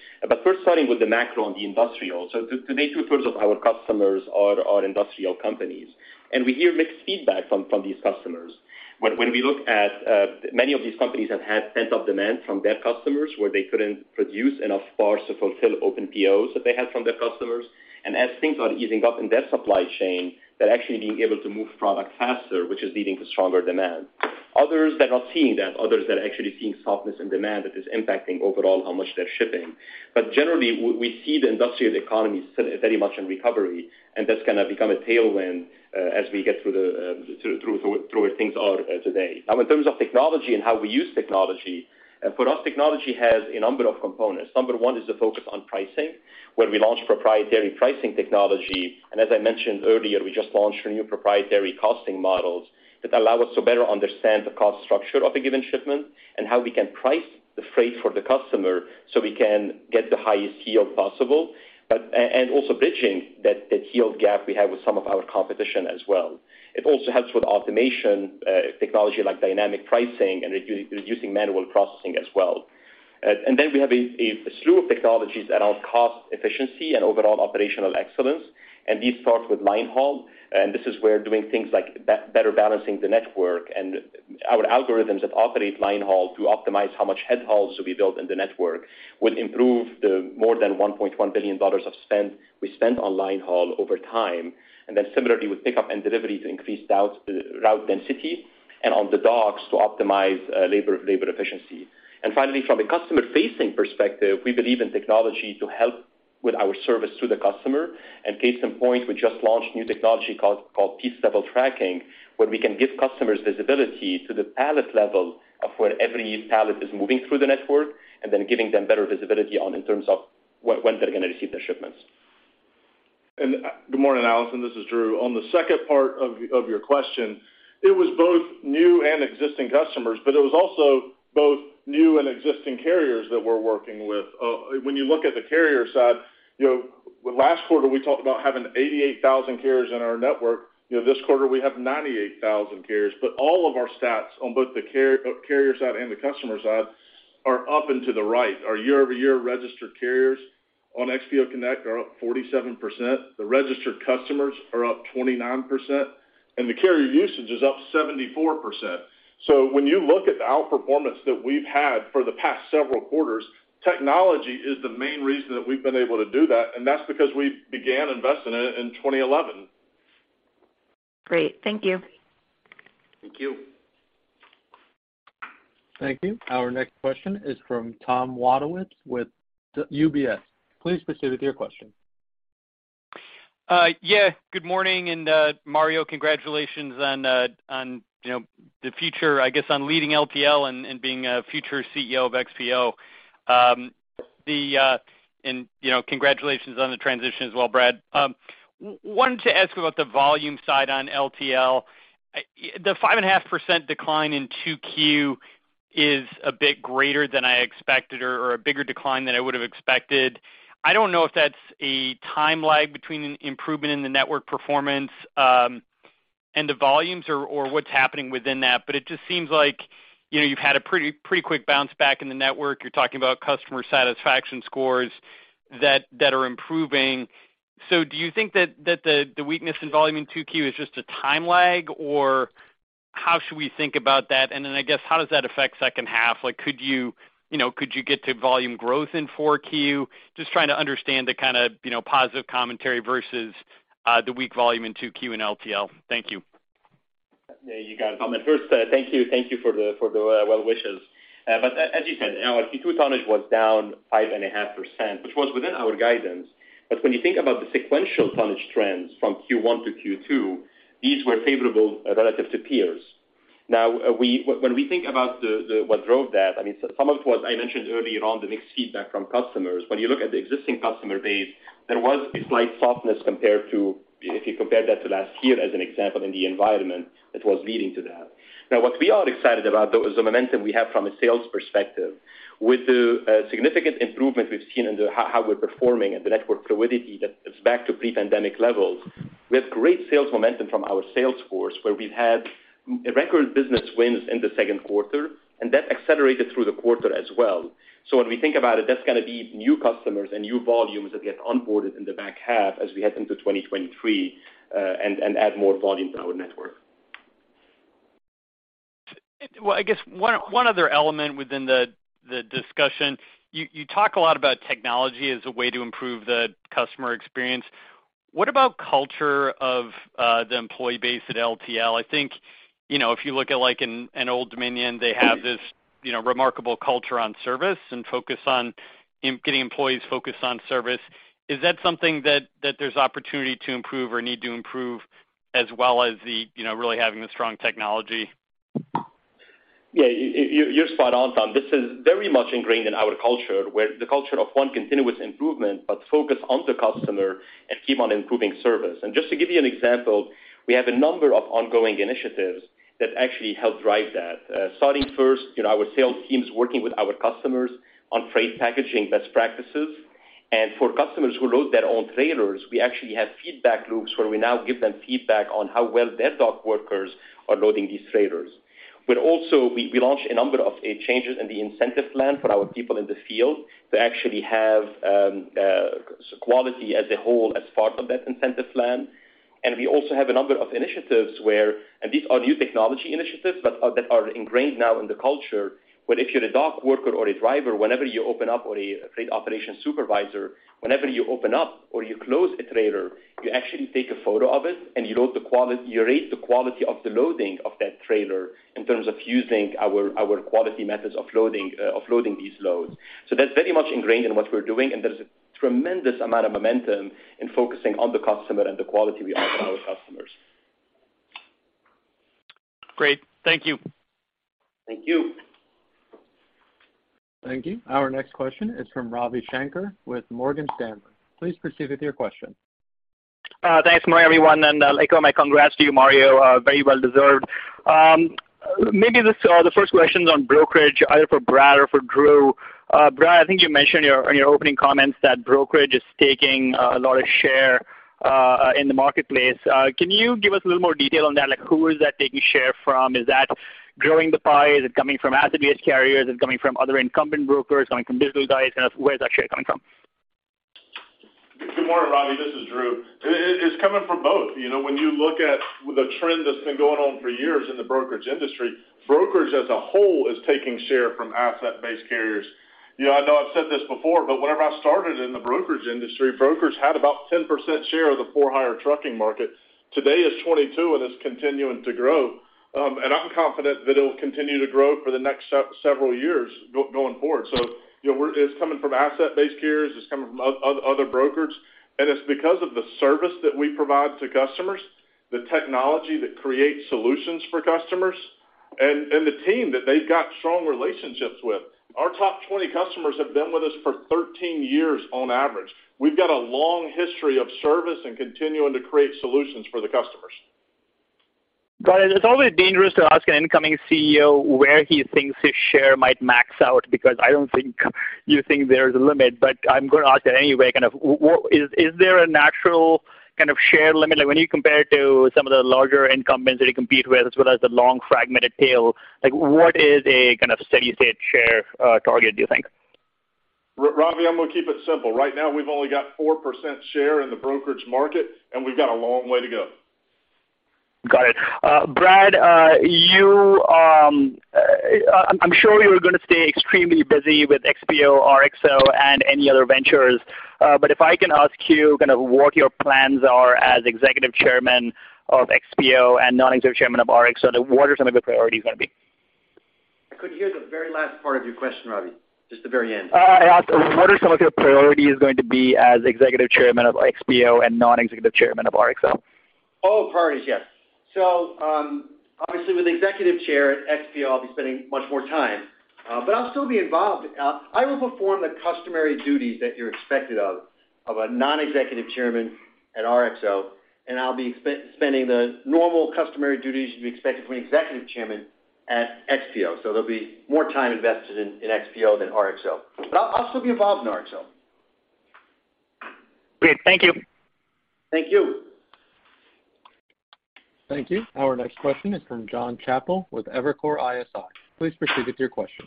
First, starting with the macro and the industrial. To me, two-thirds of our customers are industrial companies, and we hear mixed feedback from these customers. When we look at many of these companies have had pent-up demand from their customers, where they couldn't produce enough parts to fulfill open POs that they had from their customers. As things are easing up in their supply chain, they're actually being able to move product faster, which is leading to stronger demand. Others, they're not seeing that. Others, they're actually seeing softness in demand that is impacting overall how much they're shipping. Generally, we see the industrial economy still very much in recovery, and that's gonna become a tailwind, as we get through where things are today. Now, in terms of technology and how we use technology, for us, technology has a number of components. Number one is the focus on pricing, where we launch proprietary pricing technology. As I mentioned earlier, we just launched our new proprietary costing models that allow us to better understand the cost structure of a given shipment and how we can price the freight for the customer, so we can get the highest yield possible. Also bridging that yield gap we have with some of our competition as well. It also helps with automation, technology like dynamic pricing and reducing manual processing as well. We have a slew of technologies around cost efficiency and overall operational excellence, and these start with line haul. This is where doing things like better balancing the network and our algorithms that operate line haul to optimize how much head hauls should be built in the network will improve the more than $1.1 billion of spend we spend on line haul over time. Similarly with pickup and delivery to increase route density and on the docks to optimize labor efficiency. Finally, from a customer-facing perspective, we believe in technology to help with our service to the customer. Case in point, we just launched new technology called piece-level tracking, where we can give customers visibility to the pallet level of where every pallet is moving through the network and then giving them better visibility on in terms of when they're going to receive their shipments. Good morning, Allison. This is Drew. On the second part of your question, it was both new and existing customers, but it was also both new and existing carriers that we're working with. When you look at the carrier side, you know, last quarter, we talked about having 88,000 carriers in our network. You know, this quarter we have 98,000 carriers, but all of our stats on both the carrier side and the customer side are up and to the right. Our year-over-year registered carriers on XPO Connect are up 47%. The registered customers are up 29%, and the carrier usage is up 74%. When you look at the outperformance that we've had for the past several quarters, technology is the main reason that we've been able to do that, and that's because we began investing in it in 2011. Great. Thank you. Thank you. Thank you. Our next question is from Tom Wadewitz with UBS. Please proceed with your question. Yeah, good morning. Mario, congratulations on, you know, the future, I guess, on leading LTL and being a future CEO of XPO. You know, congratulations on the transition as well, Brad. Wanted to ask about the volume side on LTL. The 5.5% decline in 2Q is a bit greater than I expected or a bigger decline than I would have expected. I don't know if that's a time lag between improvement in the network performance and the volumes or what's happening within that. It just seems like, you know, you've had a pretty quick bounce back in the network. You're talking about customer satisfaction scores that are improving. Do you think that the weakness in volume in 2Q is just a time lag, or how should we think about that? I guess how does that affect second half? Like, could you know, get to volume growth in 4Q? Just trying to understand the kind of, you know, positive commentary versus the weak volume in 2Q in LTL. Thank you. Yeah, you got it, Tom. First, thank you. Thank you for the well wishes. As you said, our Q2 tonnage was down 5.5%, which was within our guidance. When you think about the sequential tonnage trends from Q1 to Q2, these were favorable relative to peers. When we think about what drove that, I mean, some of it was, as I mentioned earlier, the mixed feedback from customers. When you look at the existing customer base, there was a slight softness compared to if you compare that to last year as an example in the environment that was leading to that. Now what we are excited about, though, is the momentum we have from a sales perspective. With the significant improvement we've seen in how we're performing and the network fluidity that is back to pre-pandemic levels, we have great sales momentum from our sales force, where we've had record business wins in the Q2, and that accelerated through the quarter as well. When we think about it, that's going to be new customers and new volumes that get onboarded in the back half as we head into 2023, and add more volume to our network. Well, I guess one other element within the discussion, you talk a lot about technology as a way to improve the customer experience. What about culture of the employee base at LTL? I think, you know, if you look at like an Old Dominion, they have this, you know, remarkable culture on service and focus on getting employees focused on service. Is that something that there's opportunity to improve or need to improve as well as the, you know, really having the strong technology? Yeah, you're spot on, Tom. This is very much ingrained in our culture, where the culture of one, continuous improvement, but focus on the customer and keep on improving service. Just to give you an example, we have a number of ongoing initiatives that actually help drive that. Starting first, you know, our sales teams working with our customers on freight packaging best practices. For customers who load their own trailers, we actually have feedback loops where we now give them feedback on how well their dock workers are loading these trailers. Also we launched a number of changes in the incentive plan for our people in the field to actually have quality as a whole as part of that incentive plan. We also have a number of initiatives where these are new technology initiatives that are ingrained now in the culture, where if you're a dock worker or a driver or a freight operations supervisor, whenever you open up or you close a trailer, you actually take a photo of it, and you rate the quality of the loading of that trailer in terms of using our quality methods of loading these loads. That's very much ingrained in what we're doing, and there's a tremendous amount of momentum in focusing on the customer and the quality we offer our customers. Great. Thank you. Thank you. Thank you. Our next question is from Ravi Shanker with Morgan Stanley. Please proceed with your question. Thanks, Mario, everyone, and I'll echo my congrats to you, Mario. Very well deserved. Maybe this, the first question's on brokerage, either for Brad or for Drew. Brad, I think you mentioned in your opening comments that brokerage is taking a lot of share in the marketplace. Can you give us a little more detail on that? Like, who is that taking share from? Is that growing the pie? Is it coming from asset-based carriers? Is it coming from other incumbent brokers, coming from digital guys? You know, where is that share coming from? Good morning, Ravi. This is Drew. It's coming from both. You know, when you look at the trend that's been going on for years in the brokerage industry, brokerage as a whole is taking share from asset-based carriers. You know, I know I've said this before, but whenever I started in the brokerage industry, brokers had about 10% share of the for-hire trucking market. Today, it's 22%, and it's continuing to grow. I'm confident that it'll continue to grow for the next several years going forward. You know, it's coming from asset-based carriers, it's coming from other brokers, and it's because of the service that we provide to customers, the technology that creates solutions for customers and the team that they've got strong relationships with. Our top 20 customers have been with us for 13 years on average. We've got a long history of service and continuing to create solutions for the customers. Got it. It's always dangerous to ask an incoming CEO where he thinks his share might max out because I don't think you think there's a limit, but I'm gonna ask it anyway, kind of what is. Is there a natural kind of share limit? Like when you compare it to some of the larger incumbents that you compete with as well as the long fragmented tail, like what is a kind of steady-state share target, do you think? Ravi, I'm gonna keep it simple. Right now we've only got 4% share in the brokerage market, and we've got a long way to go. Got it. Brad, I'm sure you are gonna stay extremely busy with XPO, RXO, and any other ventures. If I can ask you kind of what your plans are as Executive Chairman of XPO and Non-Executive Chairman of RXO, what are some of the priorities gonna be? I couldn't hear the very last part of your question, Ravi, just the very end. I asked what are some of your priorities going to be as Executive Chairman of XPO and Non-Executive Chairman of RXO? Oh, priorities, yes. Obviously with executive chairman at XPO, I'll be spending much more time, but I'll still be involved. I will perform the customary duties that you're expected of a non-executive chairman at RXO, and I'll be spending the normal customary duties you'd be expecting from an executive chairman at XPO. There'll be more time invested in XPO than RXO. I'll still be involved in RXO. Great. Thank you. Thank you. Thank you. Our next question is from Jon Chappell with Evercore ISI. Please proceed with your question.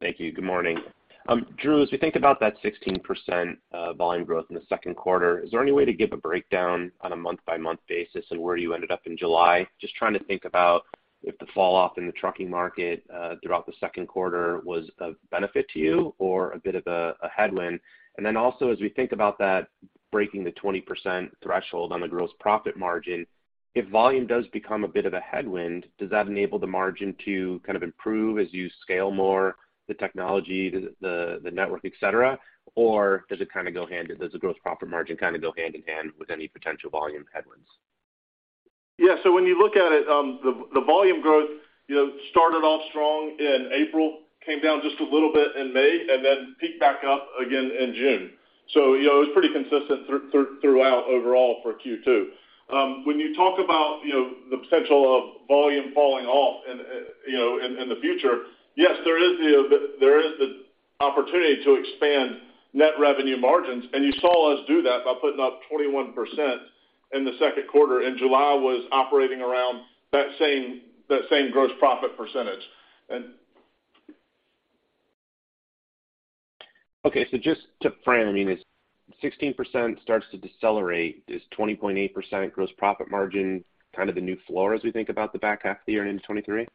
Thank you. Good morning. Drew, as we think about that 16% volume growth in the Q2, is there any way to give a breakdown on a month-by-month basis and where you ended up in July? Just trying to think about if the fall off in the trucking market throughout the Q2 was of benefit to you or a bit of a headwind. Then also as we think about that breaking the 20% threshold on the gross profit margin, if volume does become a bit of a headwind, does that enable the margin to kind of improve as you scale more the technology, the network, et cetera? Does the gross profit margin kind of go hand in hand with any potential volume headwinds? Yeah. When you look at it, the volume growth, you know, started off strong in April, came down just a little bit in May, and then peaked back up again in June. You know, it was pretty consistent throughout overall for Q2. When you talk about, you know, the potential of volume falling off in, you know, in the future, yes, there is the opportunity to expand net revenue margins, and you saw us do that by putting up 21% in the Q2, and July was operating around that same gross profit percentage. Just to frame, I mean, as 16% starts to decelerate, does 20.8% gross profit margin kind of the new floor as we think about the back half of the year into 2023?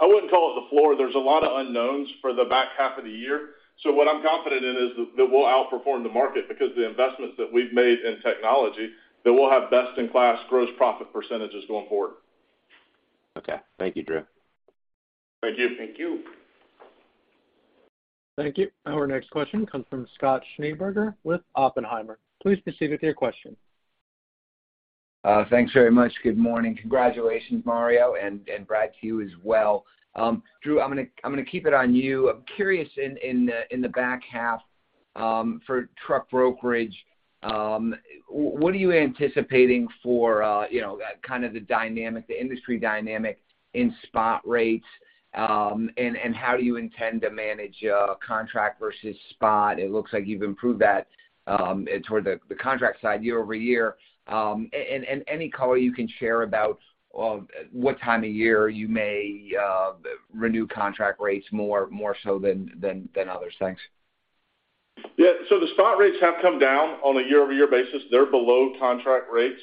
I wouldn't call it the floor. There's a lot of unknowns for the back half of the year. What I'm confident in is that we'll outperform the market because the investments that we've made in technology, that we'll have best-in-class gross profit percentages going forward. Okay. Thank you, Drew. Thank you. Thank you. Our next question comes from Scott Schneeberger with Oppenheimer. Please proceed with your question. Thanks very much. Good morning. Congratulations, Mario, and Brad, to you as well. Drew, I'm gonna keep it on you. I'm curious in the back half for truck brokerage, what are you anticipating for, you know, kind of the dynamic, the industry dynamic in spot rates, and how do you intend to manage contract versus spot? It looks like you've improved that toward the contract side year-over-year. And any color you can share about what time of year you may renew contract rates more so than others. Thanks. Yeah. The spot rates have come down on a year-over-year basis. They're below contract rates.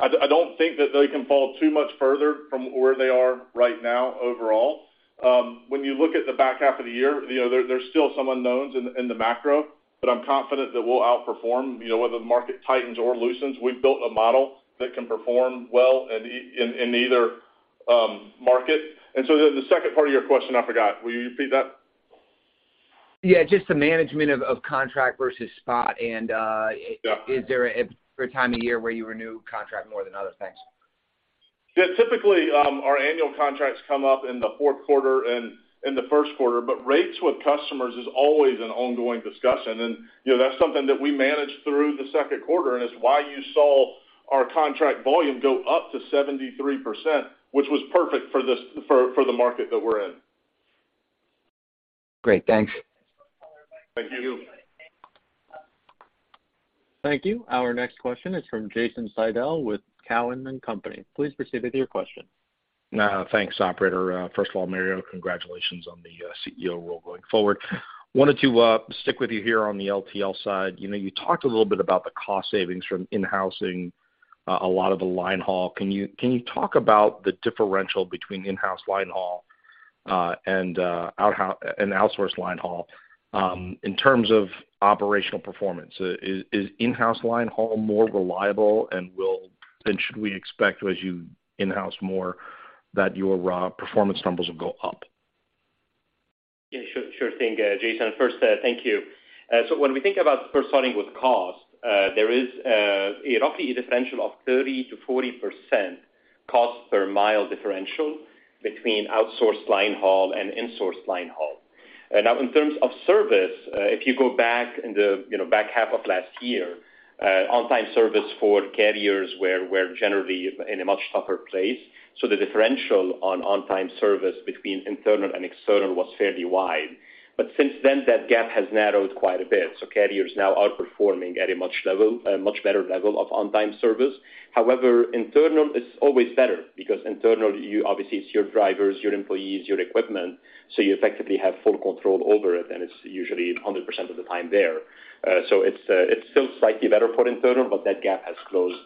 I don't think that they can fall too much further from where they are right now overall. When you look at the back half of the year, you know, there's still some unknowns in the macro, but I'm confident that we'll outperform, you know, whether the market tightens or loosens. We've built a model that can perform well in either market. The second part of your question I forgot. Will you repeat that? Yeah, just the management of contract versus spot and. Yeah. Is there a preferred time of year where you renew contract more than others? Thanks. Yeah. Typically, our annual contracts come up in the Q4 and in the Q1, but rates with customers is always an ongoing discussion. You know, that's something that we managed through the Q2, and it's why you saw our contract volume go up to 73%, which was perfect for the market that we're in. Great. Thanks. Thank you. Thank you. Our next question is from Jason Seidl with Cowen and Company. Please proceed with your question. Thanks operator. First of all, Mario, congratulations on the CEO role going forward. Wanted to stick with you here on the LTL side. You know, you talked a little bit about the cost savings from in-housing a lot of the line haul. Can you talk about the differential between in-house line haul and outsourced line haul in terms of operational performance? Is in-house line haul more reliable and then should we expect as you in-house more that your performance numbers will go up? Yeah, sure thing, Jason. First, thank you. So when we think about first starting with cost, there is roughly a differential of 30%-40% cost per mile differential between outsourced line haul and insourced line haul. In terms of service, if you go back in the, you know, back half of last year, on-time service for carriers were generally in a much tougher place, so the differential on-time service between internal and external was fairly wide. Since then, that gap has narrowed quite a bit. Carriers now are performing at a much better level of on-time service. However, internal is always better because internal, you obviously, it's your drivers, your employees, your equipment, so you effectively have full control over it, and it's usually 100% of the time there. It's still slightly better for internal, but that gap has closed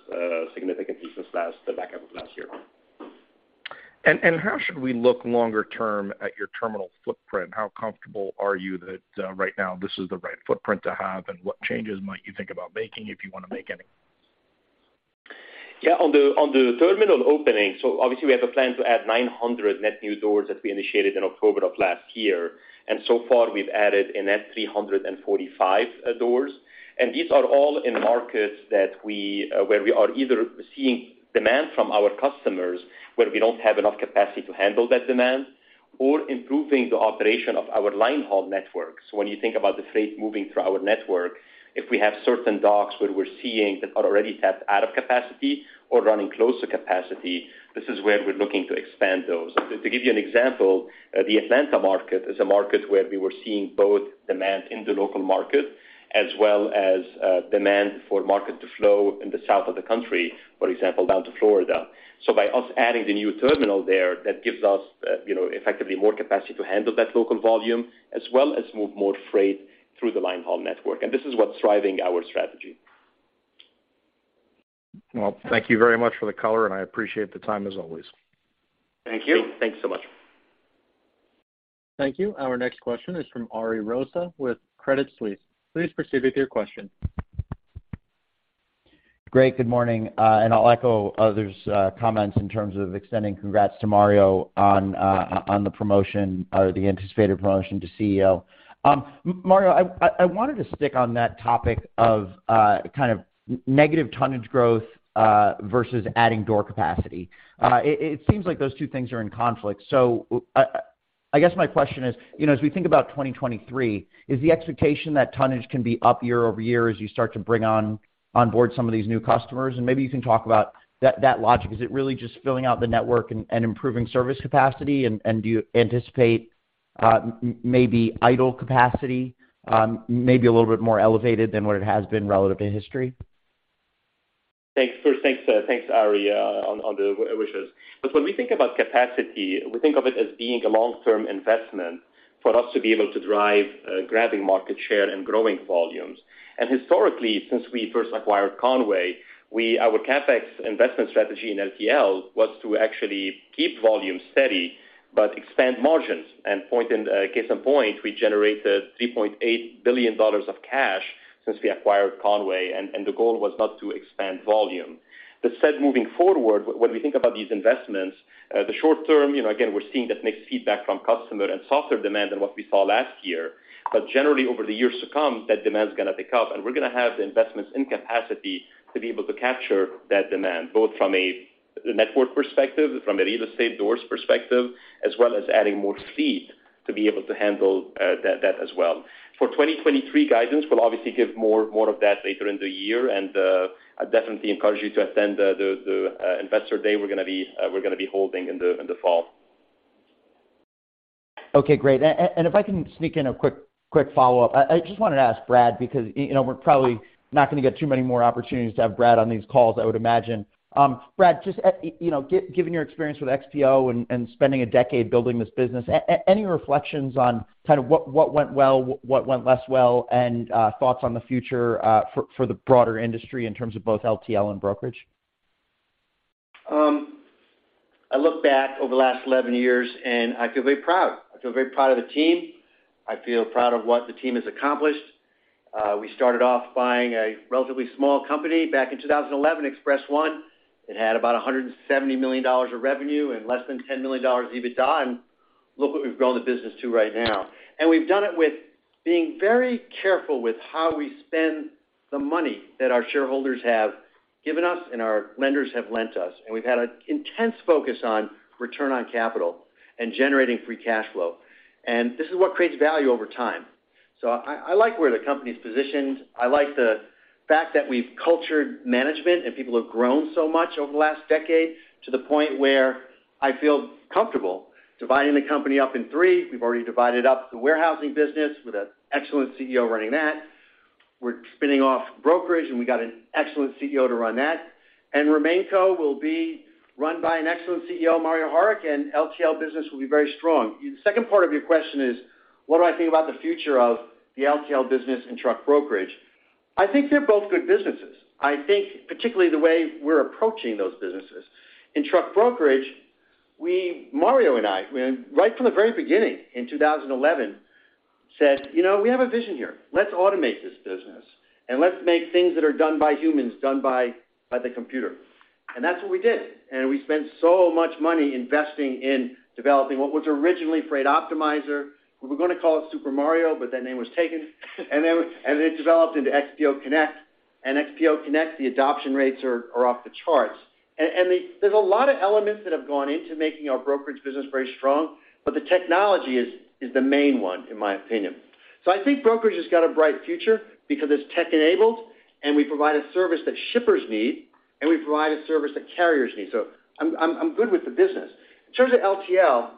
significantly since the back half of last year. How should we look longer term at your terminal footprint? How comfortable are you that, right now this is the right footprint to have, and what changes might you think about making if you want to make any? Yeah. On the terminal opening, so obviously we have a plan to add 900 net new doors that we initiated in October of last year. So far, we've added a net 345 doors. These are all in markets that we where we are either seeing demand from our customers, where we don't have enough capacity to handle that demand, or improving the operation of our line haul networks. When you think about the freight moving through our network, if we have certain docks where we're seeing that are already tapped out of capacity or running close to capacity, this is where we're looking to expand those. To give you an example, the Atlanta market is a market where we were seeing both demand in the local market as well as, demand for market to flow in the south of the country, for example, down to Florida. By us adding the new terminal there, that gives us, you know, effectively more capacity to handle that local volume, as well as move more freight through the line haul network. This is what's driving our strategy. Well, thank you very much for the color, and I appreciate the time as always. Thank you. Thanks so much. Thank you. Our next question is from Ariel Rosa with Credit Suisse. Please proceed with your question. Great. Good morning, and I'll echo others' comments in terms of extending congrats to Mario on the promotion or the anticipated promotion to CEO. Mario, I wanted to stick on that topic of kind of negative tonnage growth versus adding door capacity. It seems like those two things are in conflict. I guess my question is, you know, as we think about 2023, is the expectation that tonnage can be up year-over-year as you start to bring on board some of these new customers? Maybe you can talk about that logic. Is it really just filling out the network and improving service capacity? Do you anticipate maybe idle capacity, maybe a little bit more elevated than what it has been relative to history? Thanks. First, thanks, Ari, on the wishes. Look, when we think about capacity, we think of it as being a long-term investment for us to be able to drive grabbing market share and growing volumes. Historically, since we first acquired Con-way, our CapEx investment strategy in LTL was to actually keep volume steady but expand margins. Case in point, we generated $3.8 billion of cash since we acquired Con-way, and the goal was not to expand volume. That said, moving forward, when we think about these investments, the short term, you know, again, we're seeing that mixed feedback from customer and softer demand than what we saw last year. Generally, over the years to come, that demand is gonna pick up, and we're gonna have the investments in capacity to be able to capture that demand, both from a network perspective, from a real estate doors perspective, as well as adding more fleet to be able to handle that as well. For 2023 guidance, we'll obviously give more of that later in the year. I definitely encourage you to attend the investor day we're gonna be holding in the fall. Okay, great. If I can sneak in a quick follow-up. I just wanted to ask Brad because, you know, we're probably not gonna get too many more opportunities to have Brad on these calls, I would imagine. Brad, just, you know, given your experience with XPO and spending a decade building this business, any reflections on kind of what went well, what went less well, and thoughts on the future for the broader industry in terms of both LTL and brokerage? I look back over the last 11 years, and I feel very proud. I feel very proud of the team. I feel proud of what the team has accomplished. We started off buying a relatively small company back in 2011, Express-1. It had about $170 million of revenue and less than $10 million EBITDA, and look what we've grown the business to right now. We've done it with being very careful with how we spend the money that our shareholders have given us and our lenders have lent us. We've had an intense focus on return on capital and generating free cash flow. This is what creates value over time. I like where the company's positioned. I like the fact that we've cultivated management and people have grown so much over the last decade to the point where I feel comfortable dividing the company up into three. We've already divided up the warehousing business with an excellent CEO running that. We're spinning off brokerage, and we got an excellent CEO to run that. XPORemainCo will be run by an excellent CEO, Mario Harik, and LTL business will be very strong. The second part of your question is, what do I think about the future of the LTL business and truck brokerage? I think they're both good businesses. I think particularly the way we're approaching those businesses. In truck brokerage, we, Mario and I, right from the very beginning in 2011, said, "You know, we have a vision here. Let's automate this business, and let's make things that are done by humans, done by the computer." That's what we did. We spent so much money investing in developing what was originally Freight Optimizer. We were gonna call it Super Mario, but that name was taken. It developed into XPO Connect. XPO Connect, the adoption rates are off the charts. There's a lot of elements that have gone into making our brokerage business very strong, but the technology is the main one, in my opinion. I think brokerage has got a bright future because it's tech-enabled, and we provide a service that shippers need, and we provide a service that carriers need. I'm good with the business. In terms of LTL,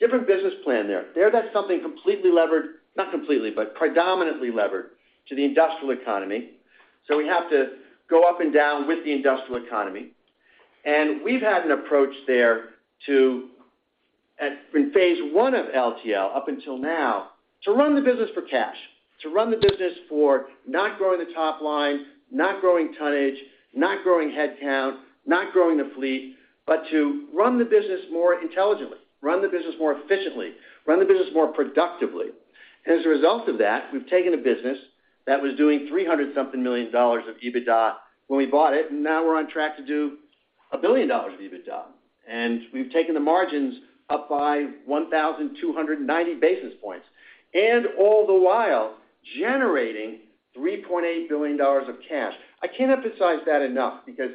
different business plan there. There, that's something completely levered, not completely, but predominantly levered to the industrial economy. We have to go up and down with the industrial economy. We've had an approach there at phase I of LTL up until now, to run the business for cash, to run the business for not growing the top line, not growing tonnage, not growing headcount, not growing the fleet, but to run the business more intelligently, run the business more efficiently, run the business more productively. As a result of that, we've taken a business that was doing $300-something million of EBITDA when we bought it, and now we're on track to do $1 billion of EBITDA. We've taken the margins up by 1,290 basis points, and all the while generating $3.8 billion of cash. I can't emphasize that enough because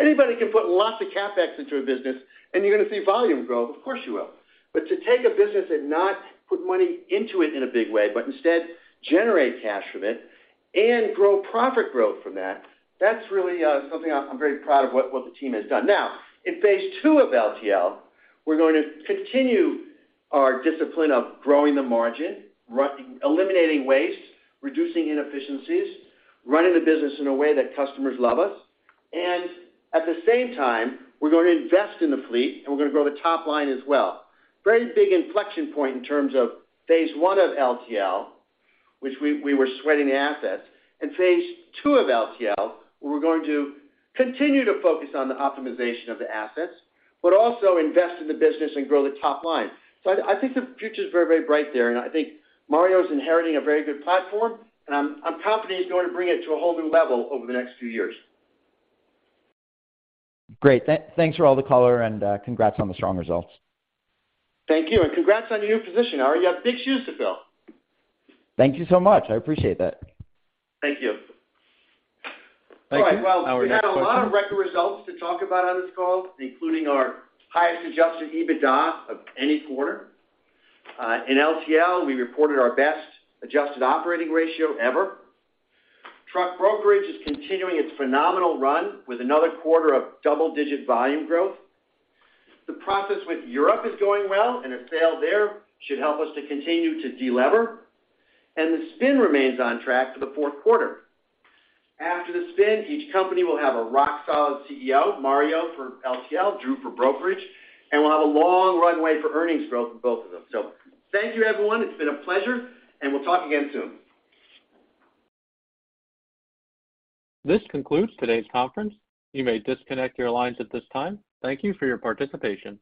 anybody can put lots of CapEx into a business and you're gonna see volume growth. Of course, you will. To take a business and not put money into it in a big way, but instead generate cash from it and grow profit growth from that's really something I'm very proud of what the team has done. Now, in phase II of LTL, we're going to continue our discipline of growing the margin, eliminating waste, reducing inefficiencies, running the business in a way that customers love us. At the same time, we're going to invest in the fleet, and we're gonna grow the top line as well. Very big inflection point in terms of phase I of LTL, which we were sweating the assets. In phase II of LTL, we're going to continue to focus on the optimization of the assets, but also invest in the business and grow the top line. I think the future is very, very bright there, and I think Mario is inheriting a very good platform, and I'm confident he's going to bring it to a whole new level over the next few years. Great. Thanks for all the color and congrats on the strong results. Thank you. Congrats on your new position, Ariel. You have big shoes to fill. Thank you so much. I appreciate that. Thank you. Thank you. All right. Well, we had a lot of record results to talk about on this call, including our highest adjusted EBITDA of any quarter. In LTL, we reported our best adjusted operating ratio ever. Truck brokerage is continuing its phenomenal run with another quarter of double-digit volume growth. The process with Europe is going well, and a sale there should help us to continue to delever. The spin remains on track for the Q4. After the spin, each company will have a rock-solid CEO, Mario for LTL, Drew for brokerage, and we'll have a long runway for earnings growth for both of them. Thank you, everyone. It's been a pleasure, and we'll talk again soon. This concludes today's conference. You may disconnect your lines at this time. Thank you for your participation.